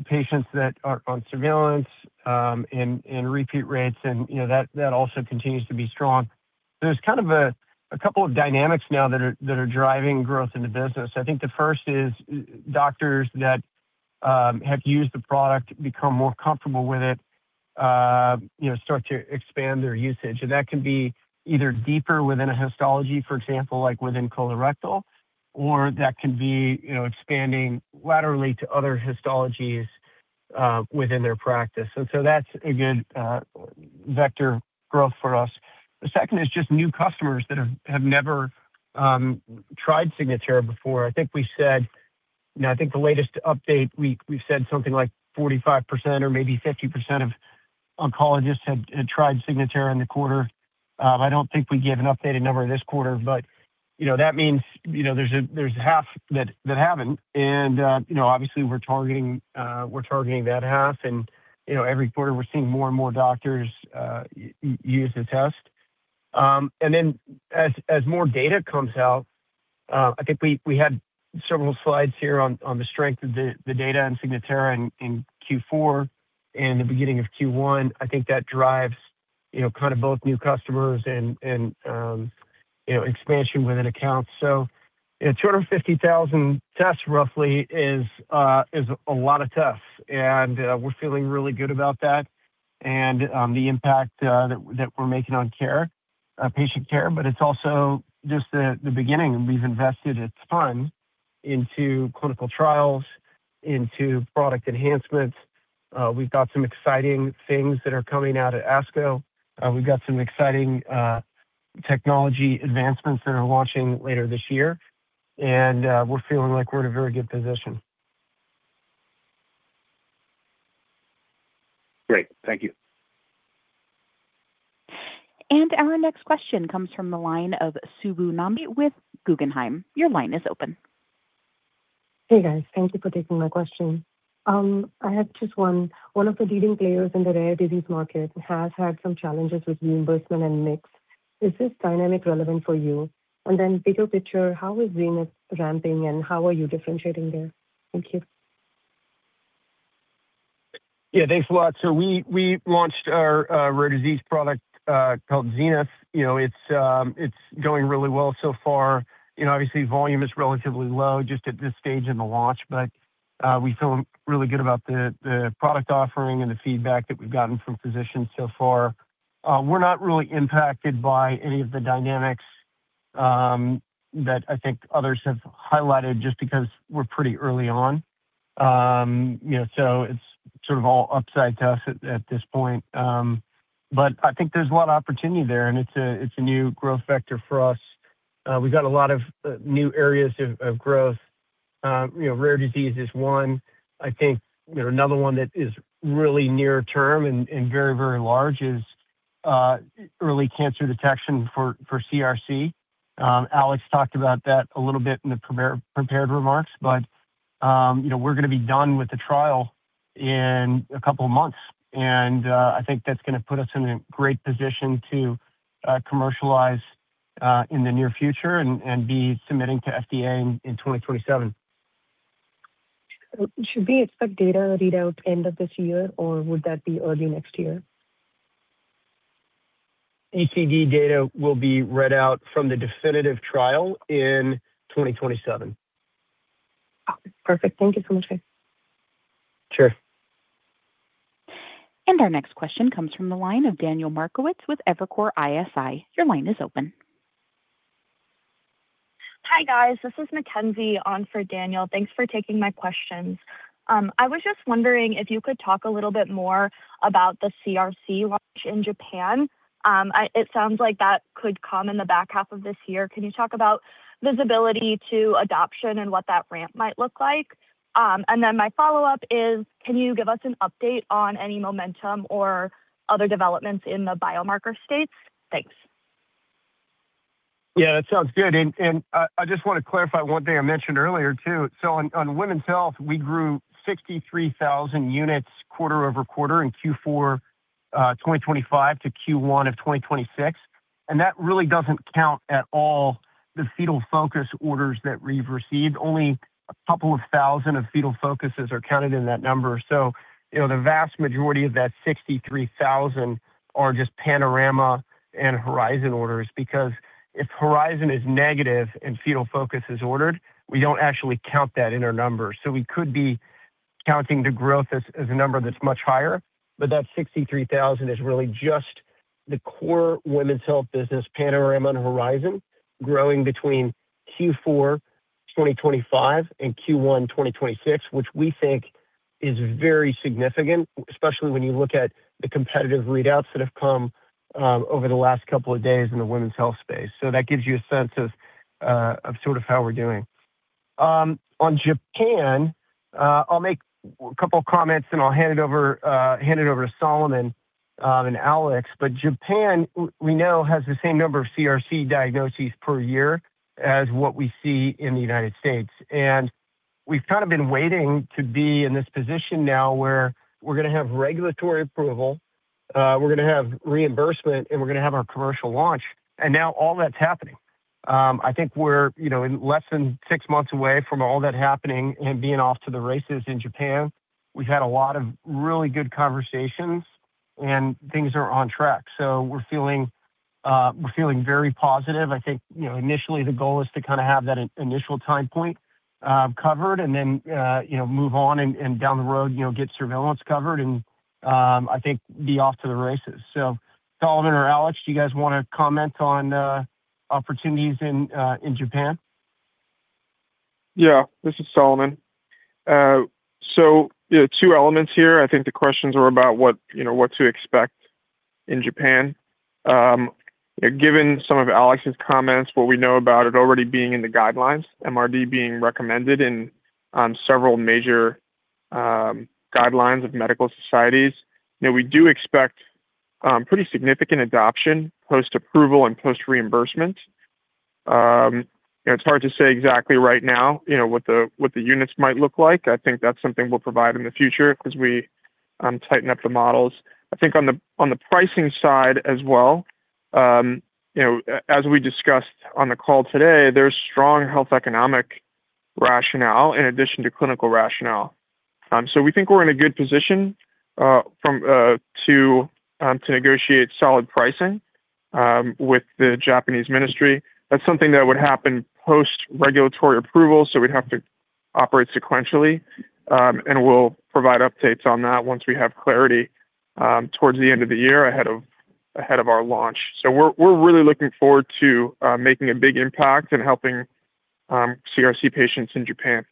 patients that are on surveillance and repeat rates and, you know, that also continues to be strong. There's kind of a couple of dynamics now that are driving growth in the business. I think the first is doctors that have used the product become more comfortable with it, you know, start to expand their usage. That can be either deeper within a histology, for example, like within colorectal, or that can be, you know, expanding laterally to other histologies within their practice. That's a good vector growth for us. The second is just new customers that have never tried Signatera before. You know, I think the latest update, we said something like 45% or maybe 50% of oncologists had tried Signatera in the quarter. I don't think we gave an updated number this quarter, but, you know, that means, you know, there's half that haven't. You know, obviously, we're targeting that half. You know, every quarter, we're seeing more and more doctors use the test. As more data comes out, I think we had several slides here on the strength of the data in Signatera in Q4 and the beginning of Q1. I think that drives, you know, kind of both new customers and, you know, expansion within accounts. You know, 250,000 tests roughly is a lot of tests, and we're feeling really good about that and the impact that we're making on care, patient care. It's also just the beginning, and we've invested a ton into clinical trials, into product enhancements. We've got some exciting things that are coming out at ASCO. We've got some exciting technology advancements that are launching later this year. We're feeling like we're in a very good position. Great. Thank you. Our next question comes from the line of Subbu Nambi with Guggenheim. Your line is open. Hey, guys. Thank you for taking my question. I have just one. One of the leading players in the rare disease market has had some challenges with reimbursement and mix. Is this dynamic relevant for you? Bigger picture, how is Zenith ramping, and how are you differentiating there? Thank you. Yeah. Thanks a lot. We launched our rare disease product called Zenith. You know, it's going really well so far. You know, obviously, volume is relatively low just at this stage in the launch, but we feel really good about the product offering and the feedback that we've gotten from physicians so far. We're not really impacted by any of the dynamics that I think others have highlighted just because we're pretty early on. You know, it's sort of all upside to us at this point. I think there's a lot of opportunity there, and it's a new growth vector for us. We've got a lot of new areas of growth. You know, rare disease is one. I think, you know, another one that is really near term and very, very large is early cancer detection for CRC. Alex talked about that a little bit in the prepared remarks, we're gonna be done with the trial in a couple of months. I think that's gonna put us in a great position to commercialize in the near future and be submitting to FDA in 2027. Should we expect data readout end of this year, or would that be early next year? ECD data will be read out from the definitive trial in 2027. Okay. Perfect. Thank you so much, sir. Sure. Our next question comes from the line of Daniel Markowitz with Evercore ISI. Your line is open. Hi, guys. This is Mackenzie on for Daniel. Thanks for taking my questions. I was just wondering if you could talk a little bit more about the CRC launch in Japan. It sounds like that could come in the back half of this year. Can you talk about visibility to adoption and what that ramp might look like? My follow-up is, can you give us an update on any momentum or other developments in the biomarker space? Thanks. That sounds good. I just want to clarify one thing I mentioned earlier, too. On women's health, we grew 63,000 units quarter-over-quarter in Q4 2025 to Q1 of 2026. That really doesn't count at all the Fetal Focus orders that we've received. Only 2,000 of Fetal Focus are counted in that number. You know, the vast majority of that 63,000 are just Panorama and Horizon orders because if Rh is negative and Fetal Focus is ordered, we don't actually count that in our numbers. We could be counting the growth as a number that's much higher. That $63,000 is really just the core women's health business, Panorama and Horizon, growing between Q4 2025 and Q1 2026, which we think is very significant, especially when you look at the competitive readouts that have come over the last couple of days in the women's health space. That gives you a sense of sort of how we're doing. On Japan, I'll make a couple of comments, and I'll hand it over to Solomon Moshkevich and Alexey Aleshin. Japan, we know, has the same number of CRC diagnoses per year as what we see in the U.S. We've kind of been waiting to be in this position now where we're going to have regulatory approval, we're going to have reimbursement, and we're going to have our commercial launch. Now all that's happening. I think we're, you know, less than six months away from all that happening and being off to the races in Japan. We've had a lot of really good conversations, and things are on track. We're feeling very positive. I think, you know, initially the goal is to kinda have that initial time point covered and then, you know, move on and down the road, you know, get surveillance covered and I think be off to the races. Solomon or Alex, do you guys wanna comment on opportunities in Japan? Yeah. This is Solomon. So, you know, two elements here. I think the questions were about what, you know, what to expect in Japan. Given some of Alex's comments, what we know about it already being in the guidelines, MRD being recommended in several major guidelines of medical societies, you know, we do expect pretty significant adoption post-approval and post-reimbursement. You know, it's hard to say exactly right now, you know, what the, what the units might look like. I think that's something we'll provide in the future as we tighten up the models. I think on the, on the pricing side as well, you know, as we discussed on the call today, there's strong health economic rationale in addition to clinical rationale. We think we're in a good position, from to negotiate solid pricing with the Japanese ministry. That's something that would happen post-regulatory approval, so we'd have to operate sequentially. We'll provide updates on that once we have clarity towards the end of the year ahead of our launch. We're really looking forward to making a big impact and helping CRC patients in Japan.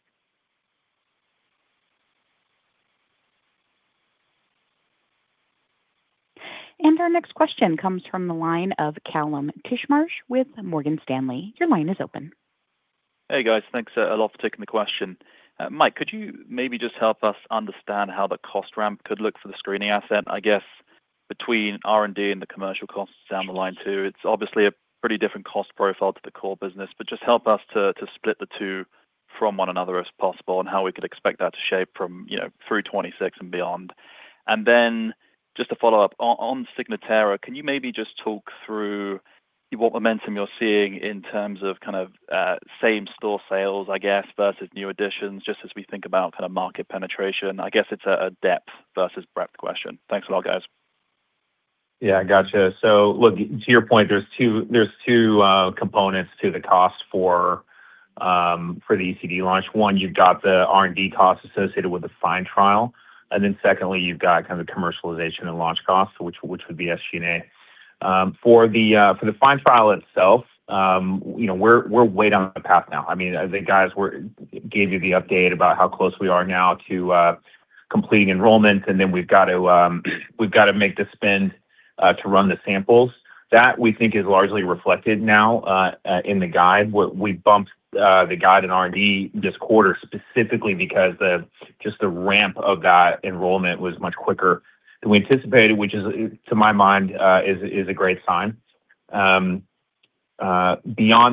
Our next question comes from the line of Kallum Titchmarsh with Morgan Stanley. Your line is open. Hey, guys. Thanks a lot for taking the question. Mike, could you maybe just help us understand how the cost ramp could look for the screening asset, I guess, between R&D and the commercial costs down the line, too? It's obviously a pretty different cost profile to the core business, but just help us to split the two from one another as possible and how we could expect that to shape from, you know, through 26 and beyond. Just to follow up, on Signatera, can you maybe just talk through what momentum you're seeing in terms of kind of same-store sales, I guess, versus new additions, just as we think about kind of market penetration? I guess it's a depth versus breadth question. Thanks a lot, guys. Yeah, gotcha. Look, to your point, there's two components to the cost for the ECD launch. One, you've got the R&D costs associated with the FIND trial. Secondly, you've got kind of the commercialization and launch costs, which would be SG&A. For the FIND trial itself, you know, we're way down the path now. I mean, the guys gave you the update about how close we are now to completing enrollment, and then we've got to make the spend to run the samples. That, we think, is largely reflected now in the guide. We bumped the guide in R&D this quarter specifically because just the ramp of that enrollment was much quicker than we anticipated, which is, to my mind, is a great sign. Beyond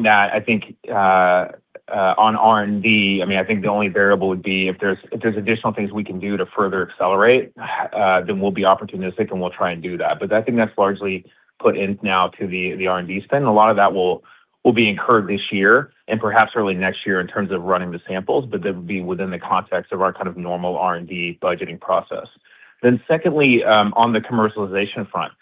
that, I mean, I think the only variable would be if there's additional things we can do to further accelerate, then we'll be opportunistic and we'll try and do that. I think that's largely put in now to the R&D spend. A lot of that will be incurred this year and perhaps early next year in terms of running the samples, but that would be within the context of our kind of normal R&D budgeting process. Secondly, on the commercialization front,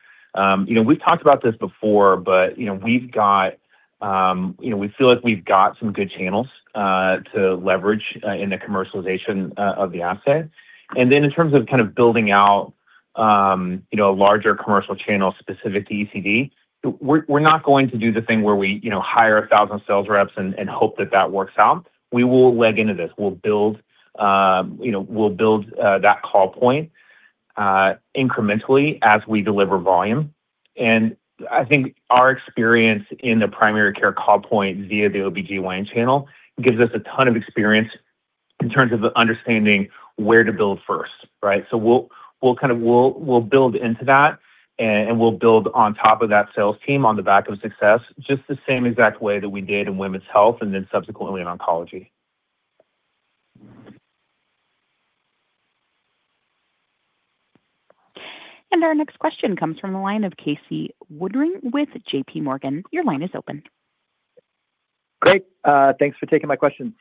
you know, we've talked about this before, but, you know, we've got, you know, we feel like we've got some good channels to leverage in the commercialization of the asset. In terms of kind of building out, you know, a larger commercial channel specific to ECD. We're not going to do the thing where we, you know, hire 1,000 sales reps and hope that that works out. We will leg into this. We'll build, you know, that call point incrementally as we deliver volume. I think our experience in the primary care call point via the OBGYN channel gives us a ton of experience in terms of understanding where to build first, right? We'll kind of build into that and we'll build on top of that sales team on the back of success, just the same exact way that we did in women's health and then subsequently in oncology. Our next question comes from the line of Casey Woodring with JPMorgan. Your line is open. Great. thanks for taking my questions.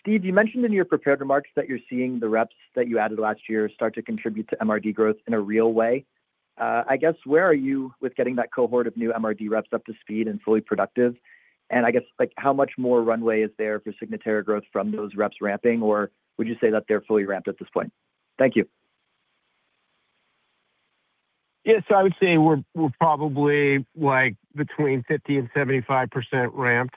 Steve, you mentioned in your prepared remarks that you're seeing the reps that you added last year start to contribute to MRD growth in a real way. I guess, where are you with getting that cohort of new MRD reps up to speed and fully productive? I guess, like, how much more runway is there for Signatera growth from those reps ramping, or would you say that they're fully ramped at this point? Thank you. Yes. I would say we're probably, like, between 50% and 75% ramped.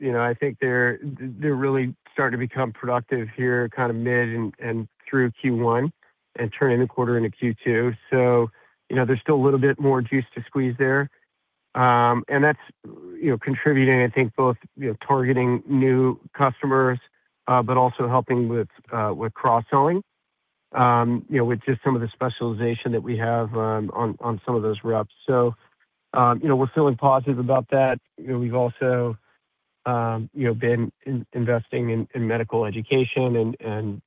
You know, I think they're really starting to become productive here kind of mid and through Q1 and turning the quarter into Q2. You know, there's still a little bit more juice to squeeze there. And that's, you know, contributing, I think, both, you know, targeting new customers, but also helping with cross-selling, you know, with just some of the specialization that we have on some of those reps. You know, we're feeling positive about that. You know, we've also, you know, been investing in medical education and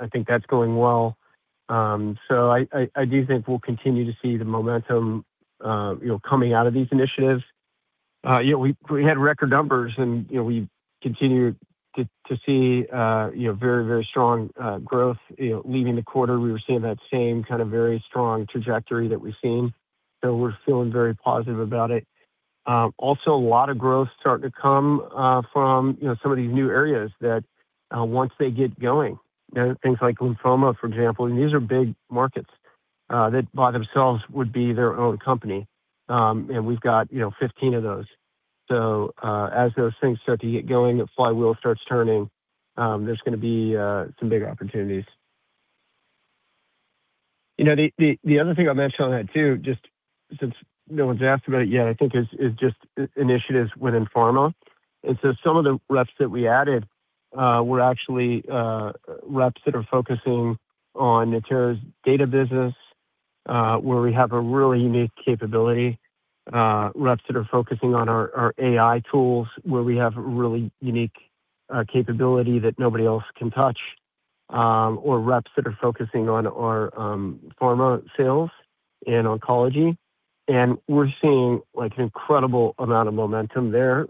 I think that's going well. I do think we'll continue to see the momentum, you know, coming out of these initiatives. you know, we had record numbers and, you know, we continue to see, you know, very, very strong growth, you know. Leaving the quarter, we were seeing that same kind of very strong trajectory that we've seen. So we're feeling very positive about it. Also a lot of growth starting to come from, you know, some of these new areas that, once they get going, you know, things like lymphoma, for example. These are big markets that by themselves would be their own company. We've got, you know, 15 of those. As those things start to get going, the flywheel starts turning, there's gonna be some big opportunities. You know, the other thing I'll mention on that too, just since no one's asked about it yet, I think is just initiatives within pharma. Some of the reps that we added, were actually reps that are focusing on Natera's data business, where we have a really unique capability, reps that are focusing on our AI tools, where we have really unique capability that nobody else can touch, or reps that are focusing on our pharma sales in oncology. We're seeing, like, an incredible amount of momentum there,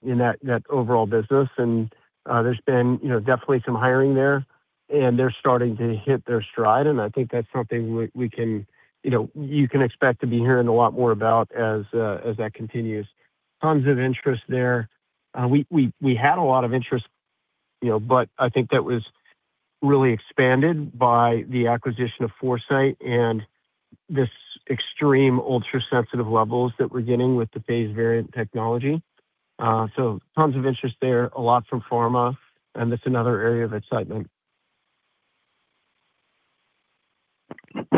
in that overall business. There's been, you know, definitely some hiring there, and they're starting to hit their stride, and I think that's something we can, you know, you can expect to be hearing a lot more about as that continues. Tons of interest there. We had a lot of interest, you know, but I think that was really expanded by the acquisition of Foresight Diagnostics and this extreme ultrasensitive levels that we're getting with the phased variant technology. Tons of interest there, a lot from pharma, and that's another area of excitement.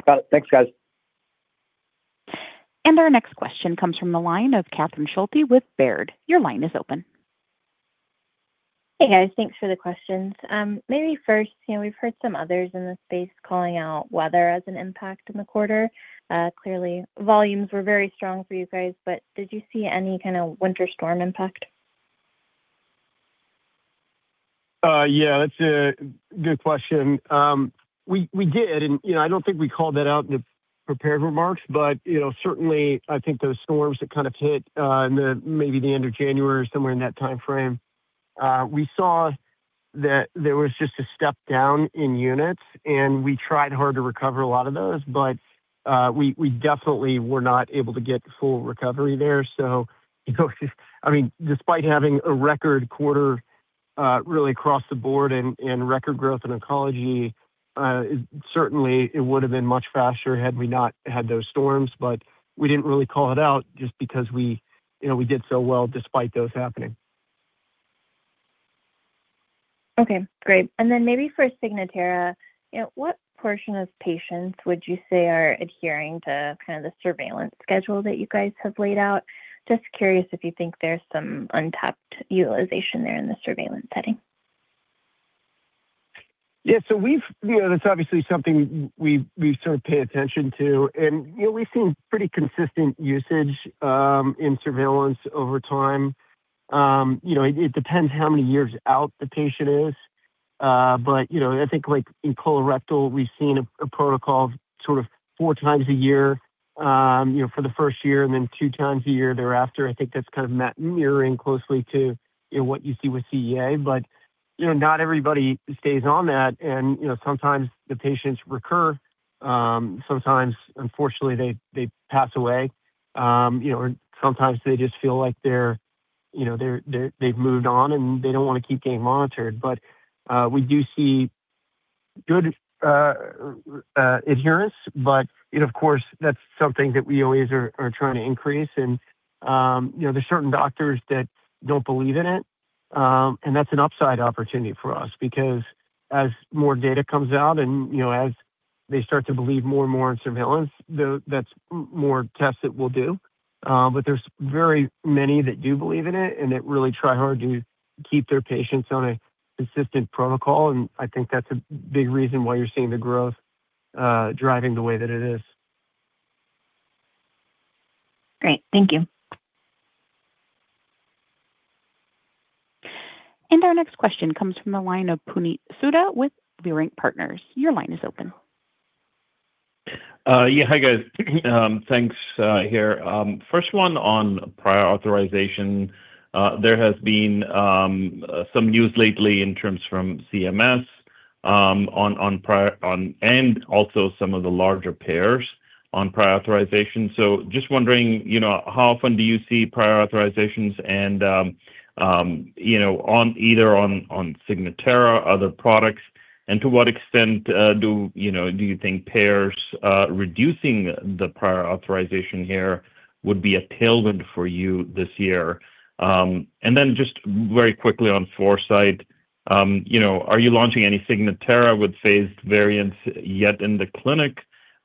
Got it. Thanks, guys. Our next question comes from the line of Catherine Schulte with Baird. Your line is open. Hey, guys. Thanks for the questions. Maybe first, you know, we've heard some others in the space calling out weather as an impact in the quarter. Clearly volumes were very strong for you guys, but did you see any kind of winter storm impact? Yeah. That's a good question. We, we did, and, you know, I don't think we called that out in the prepared remarks, but, you know, certainly I think those storms that kind of hit in the maybe the end of January or somewhere in that timeframe, we saw that there was just a step down in units, and we tried hard to recover a lot of those, but we definitely were not able to get the full recovery there. You know, I mean, despite having a record quarter, really across the board and record growth in oncology, certainly it would have been much faster had we not had those storms. We didn't really call it out just because we, you know, we did so well despite those happening. Okay. Great. Maybe for Signatera, you know, what portion of patients would you say are adhering to kind of the surveillance schedule that you guys have laid out? Just curious if you think there's some untapped utilization there in the surveillance setting. You know, that's obviously something we sort of pay attention to. You know, we've seen pretty consistent usage in surveillance over time. You know, it depends how many years out the patient is. You know, I think, like, in colorectal, we've seen a protocol sort of four times a year, you know, for the first year and then two times a year thereafter. I think that's kind of mirroring closely to, you know, what you see with CEA. You know, not everybody stays on that and, you know, sometimes the patients recur. Sometimes unfortunately, they pass away. You know, sometimes they just feel like You know, they're, they've moved on, and they don't wanna keep getting monitored. We do see good adherence, but of course, that's something that we always are trying to increase. You know, there's certain doctors that don't believe in it, and that's an upside opportunity for us because as more data comes out and, you know, as they start to believe more and more in surveillance, that's more tests that we'll do. There's very many that do believe in it and that really try hard to keep their patients on a consistent protocol, and I think that's a big reason why you're seeing the growth driving the way that it is. Great. Thank you. Our next question comes from the line of Puneet Souda with Leerink Partners. Your line is open. Yeah. Hi, guys. Thanks, here. First one on prior authorization. There has been some news lately in terms from CMS on and also some of the larger payers on prior authorization. Just wondering, you know, how often do you see prior authorizations and, you know, on either on Signatera, other products, and to what extent do, you know, do you think payers reducing the prior authorization here would be a tailwind for you this year? Just very quickly on Foresight, you know, are you launching any Signatera with phased variants yet in the clinic?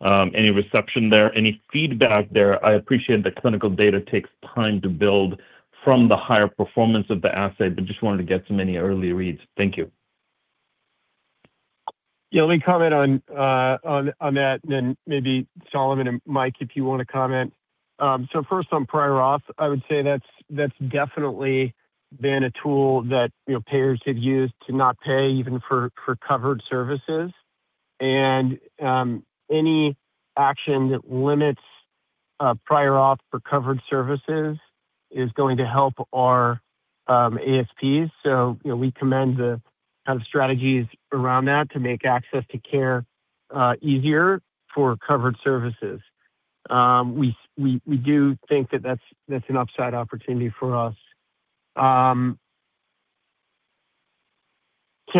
Any reception there? Any feedback there? I appreciate that clinical data takes time to build from the higher performance of the assay, but just wanted to get some any early reads. Thank you. Yeah. Let me comment on that, and then maybe Solomon and Mike, if you wanna comment. First on prior auth, I would say that's definitely been a tool that, you know, payers have used to not pay even for covered services. Any action that limits prior auth for covered services is going to help our ASPs. You know, we commend the kind of strategies around that to make access to care easier for covered services. We do think that that's an upside opportunity for us. Can't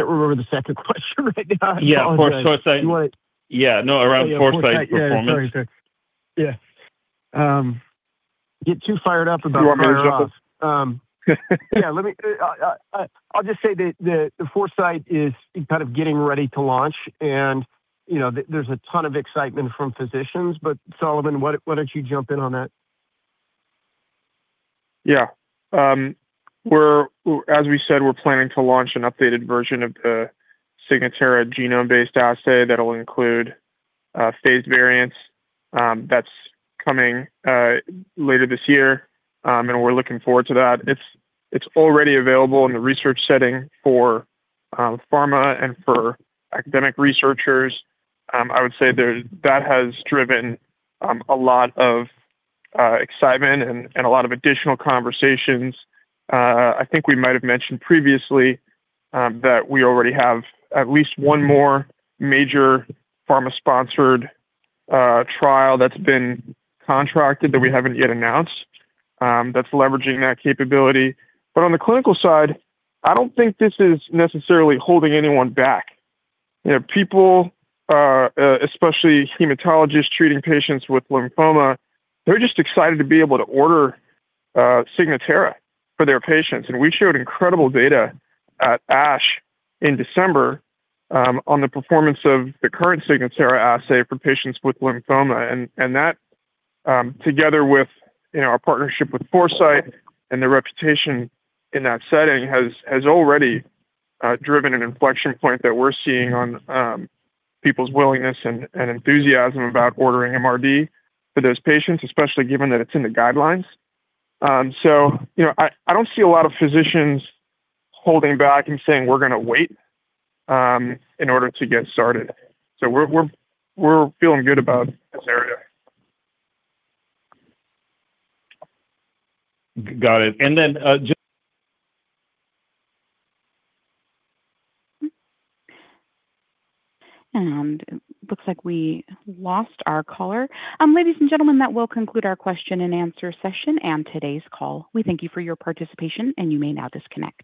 remember the second question right now. Yeah. Foresight. What? Yeah. No, around Foresight performance. Yeah. Sorry. Sorry. Yeah. get too fired up about prior auth. Do you want me to jump in? I'll just say that Foresight is kind of getting ready to launch and, you know, there's a ton of excitement from physicians. Solomon, why don't you jump in on that? Yeah. As we said, we're planning to launch an updated version of the Signatera genome-based assay that'll include phased variants. That's coming later this year, and we're looking forward to that. It's already available in the research setting for pharma and for academic researchers. I would say that has driven a lot of excitement and a lot of additional conversations. I think we might have mentioned previously that we already have at least one more major pharma-sponsored trial that's been contracted that we haven't yet announced that's leveraging that capability. On the clinical side, I don't think this is necessarily holding anyone back. You know, people, especially hematologists treating patients with lymphoma, they're just excited to be able to order Signatera for their patients. We showed incredible data at ASH in December on the performance of the current Signatera assay for patients with lymphoma. That, together with, you know, our partnership with Foresight and the reputation in that setting has already driven an inflection point that we're seeing on people's willingness and enthusiasm about ordering MRD for those patients, especially given that it's in the guidelines. You know, I don't see a lot of physicians holding back and saying, "We're gonna wait." in order to get started. We're feeling good about this area. Got it. And then, just- Looks like we lost our caller. Ladies and gentlemen, that will conclude our question and answer session and today's call. We thank you for your participation, and you may now disconnect.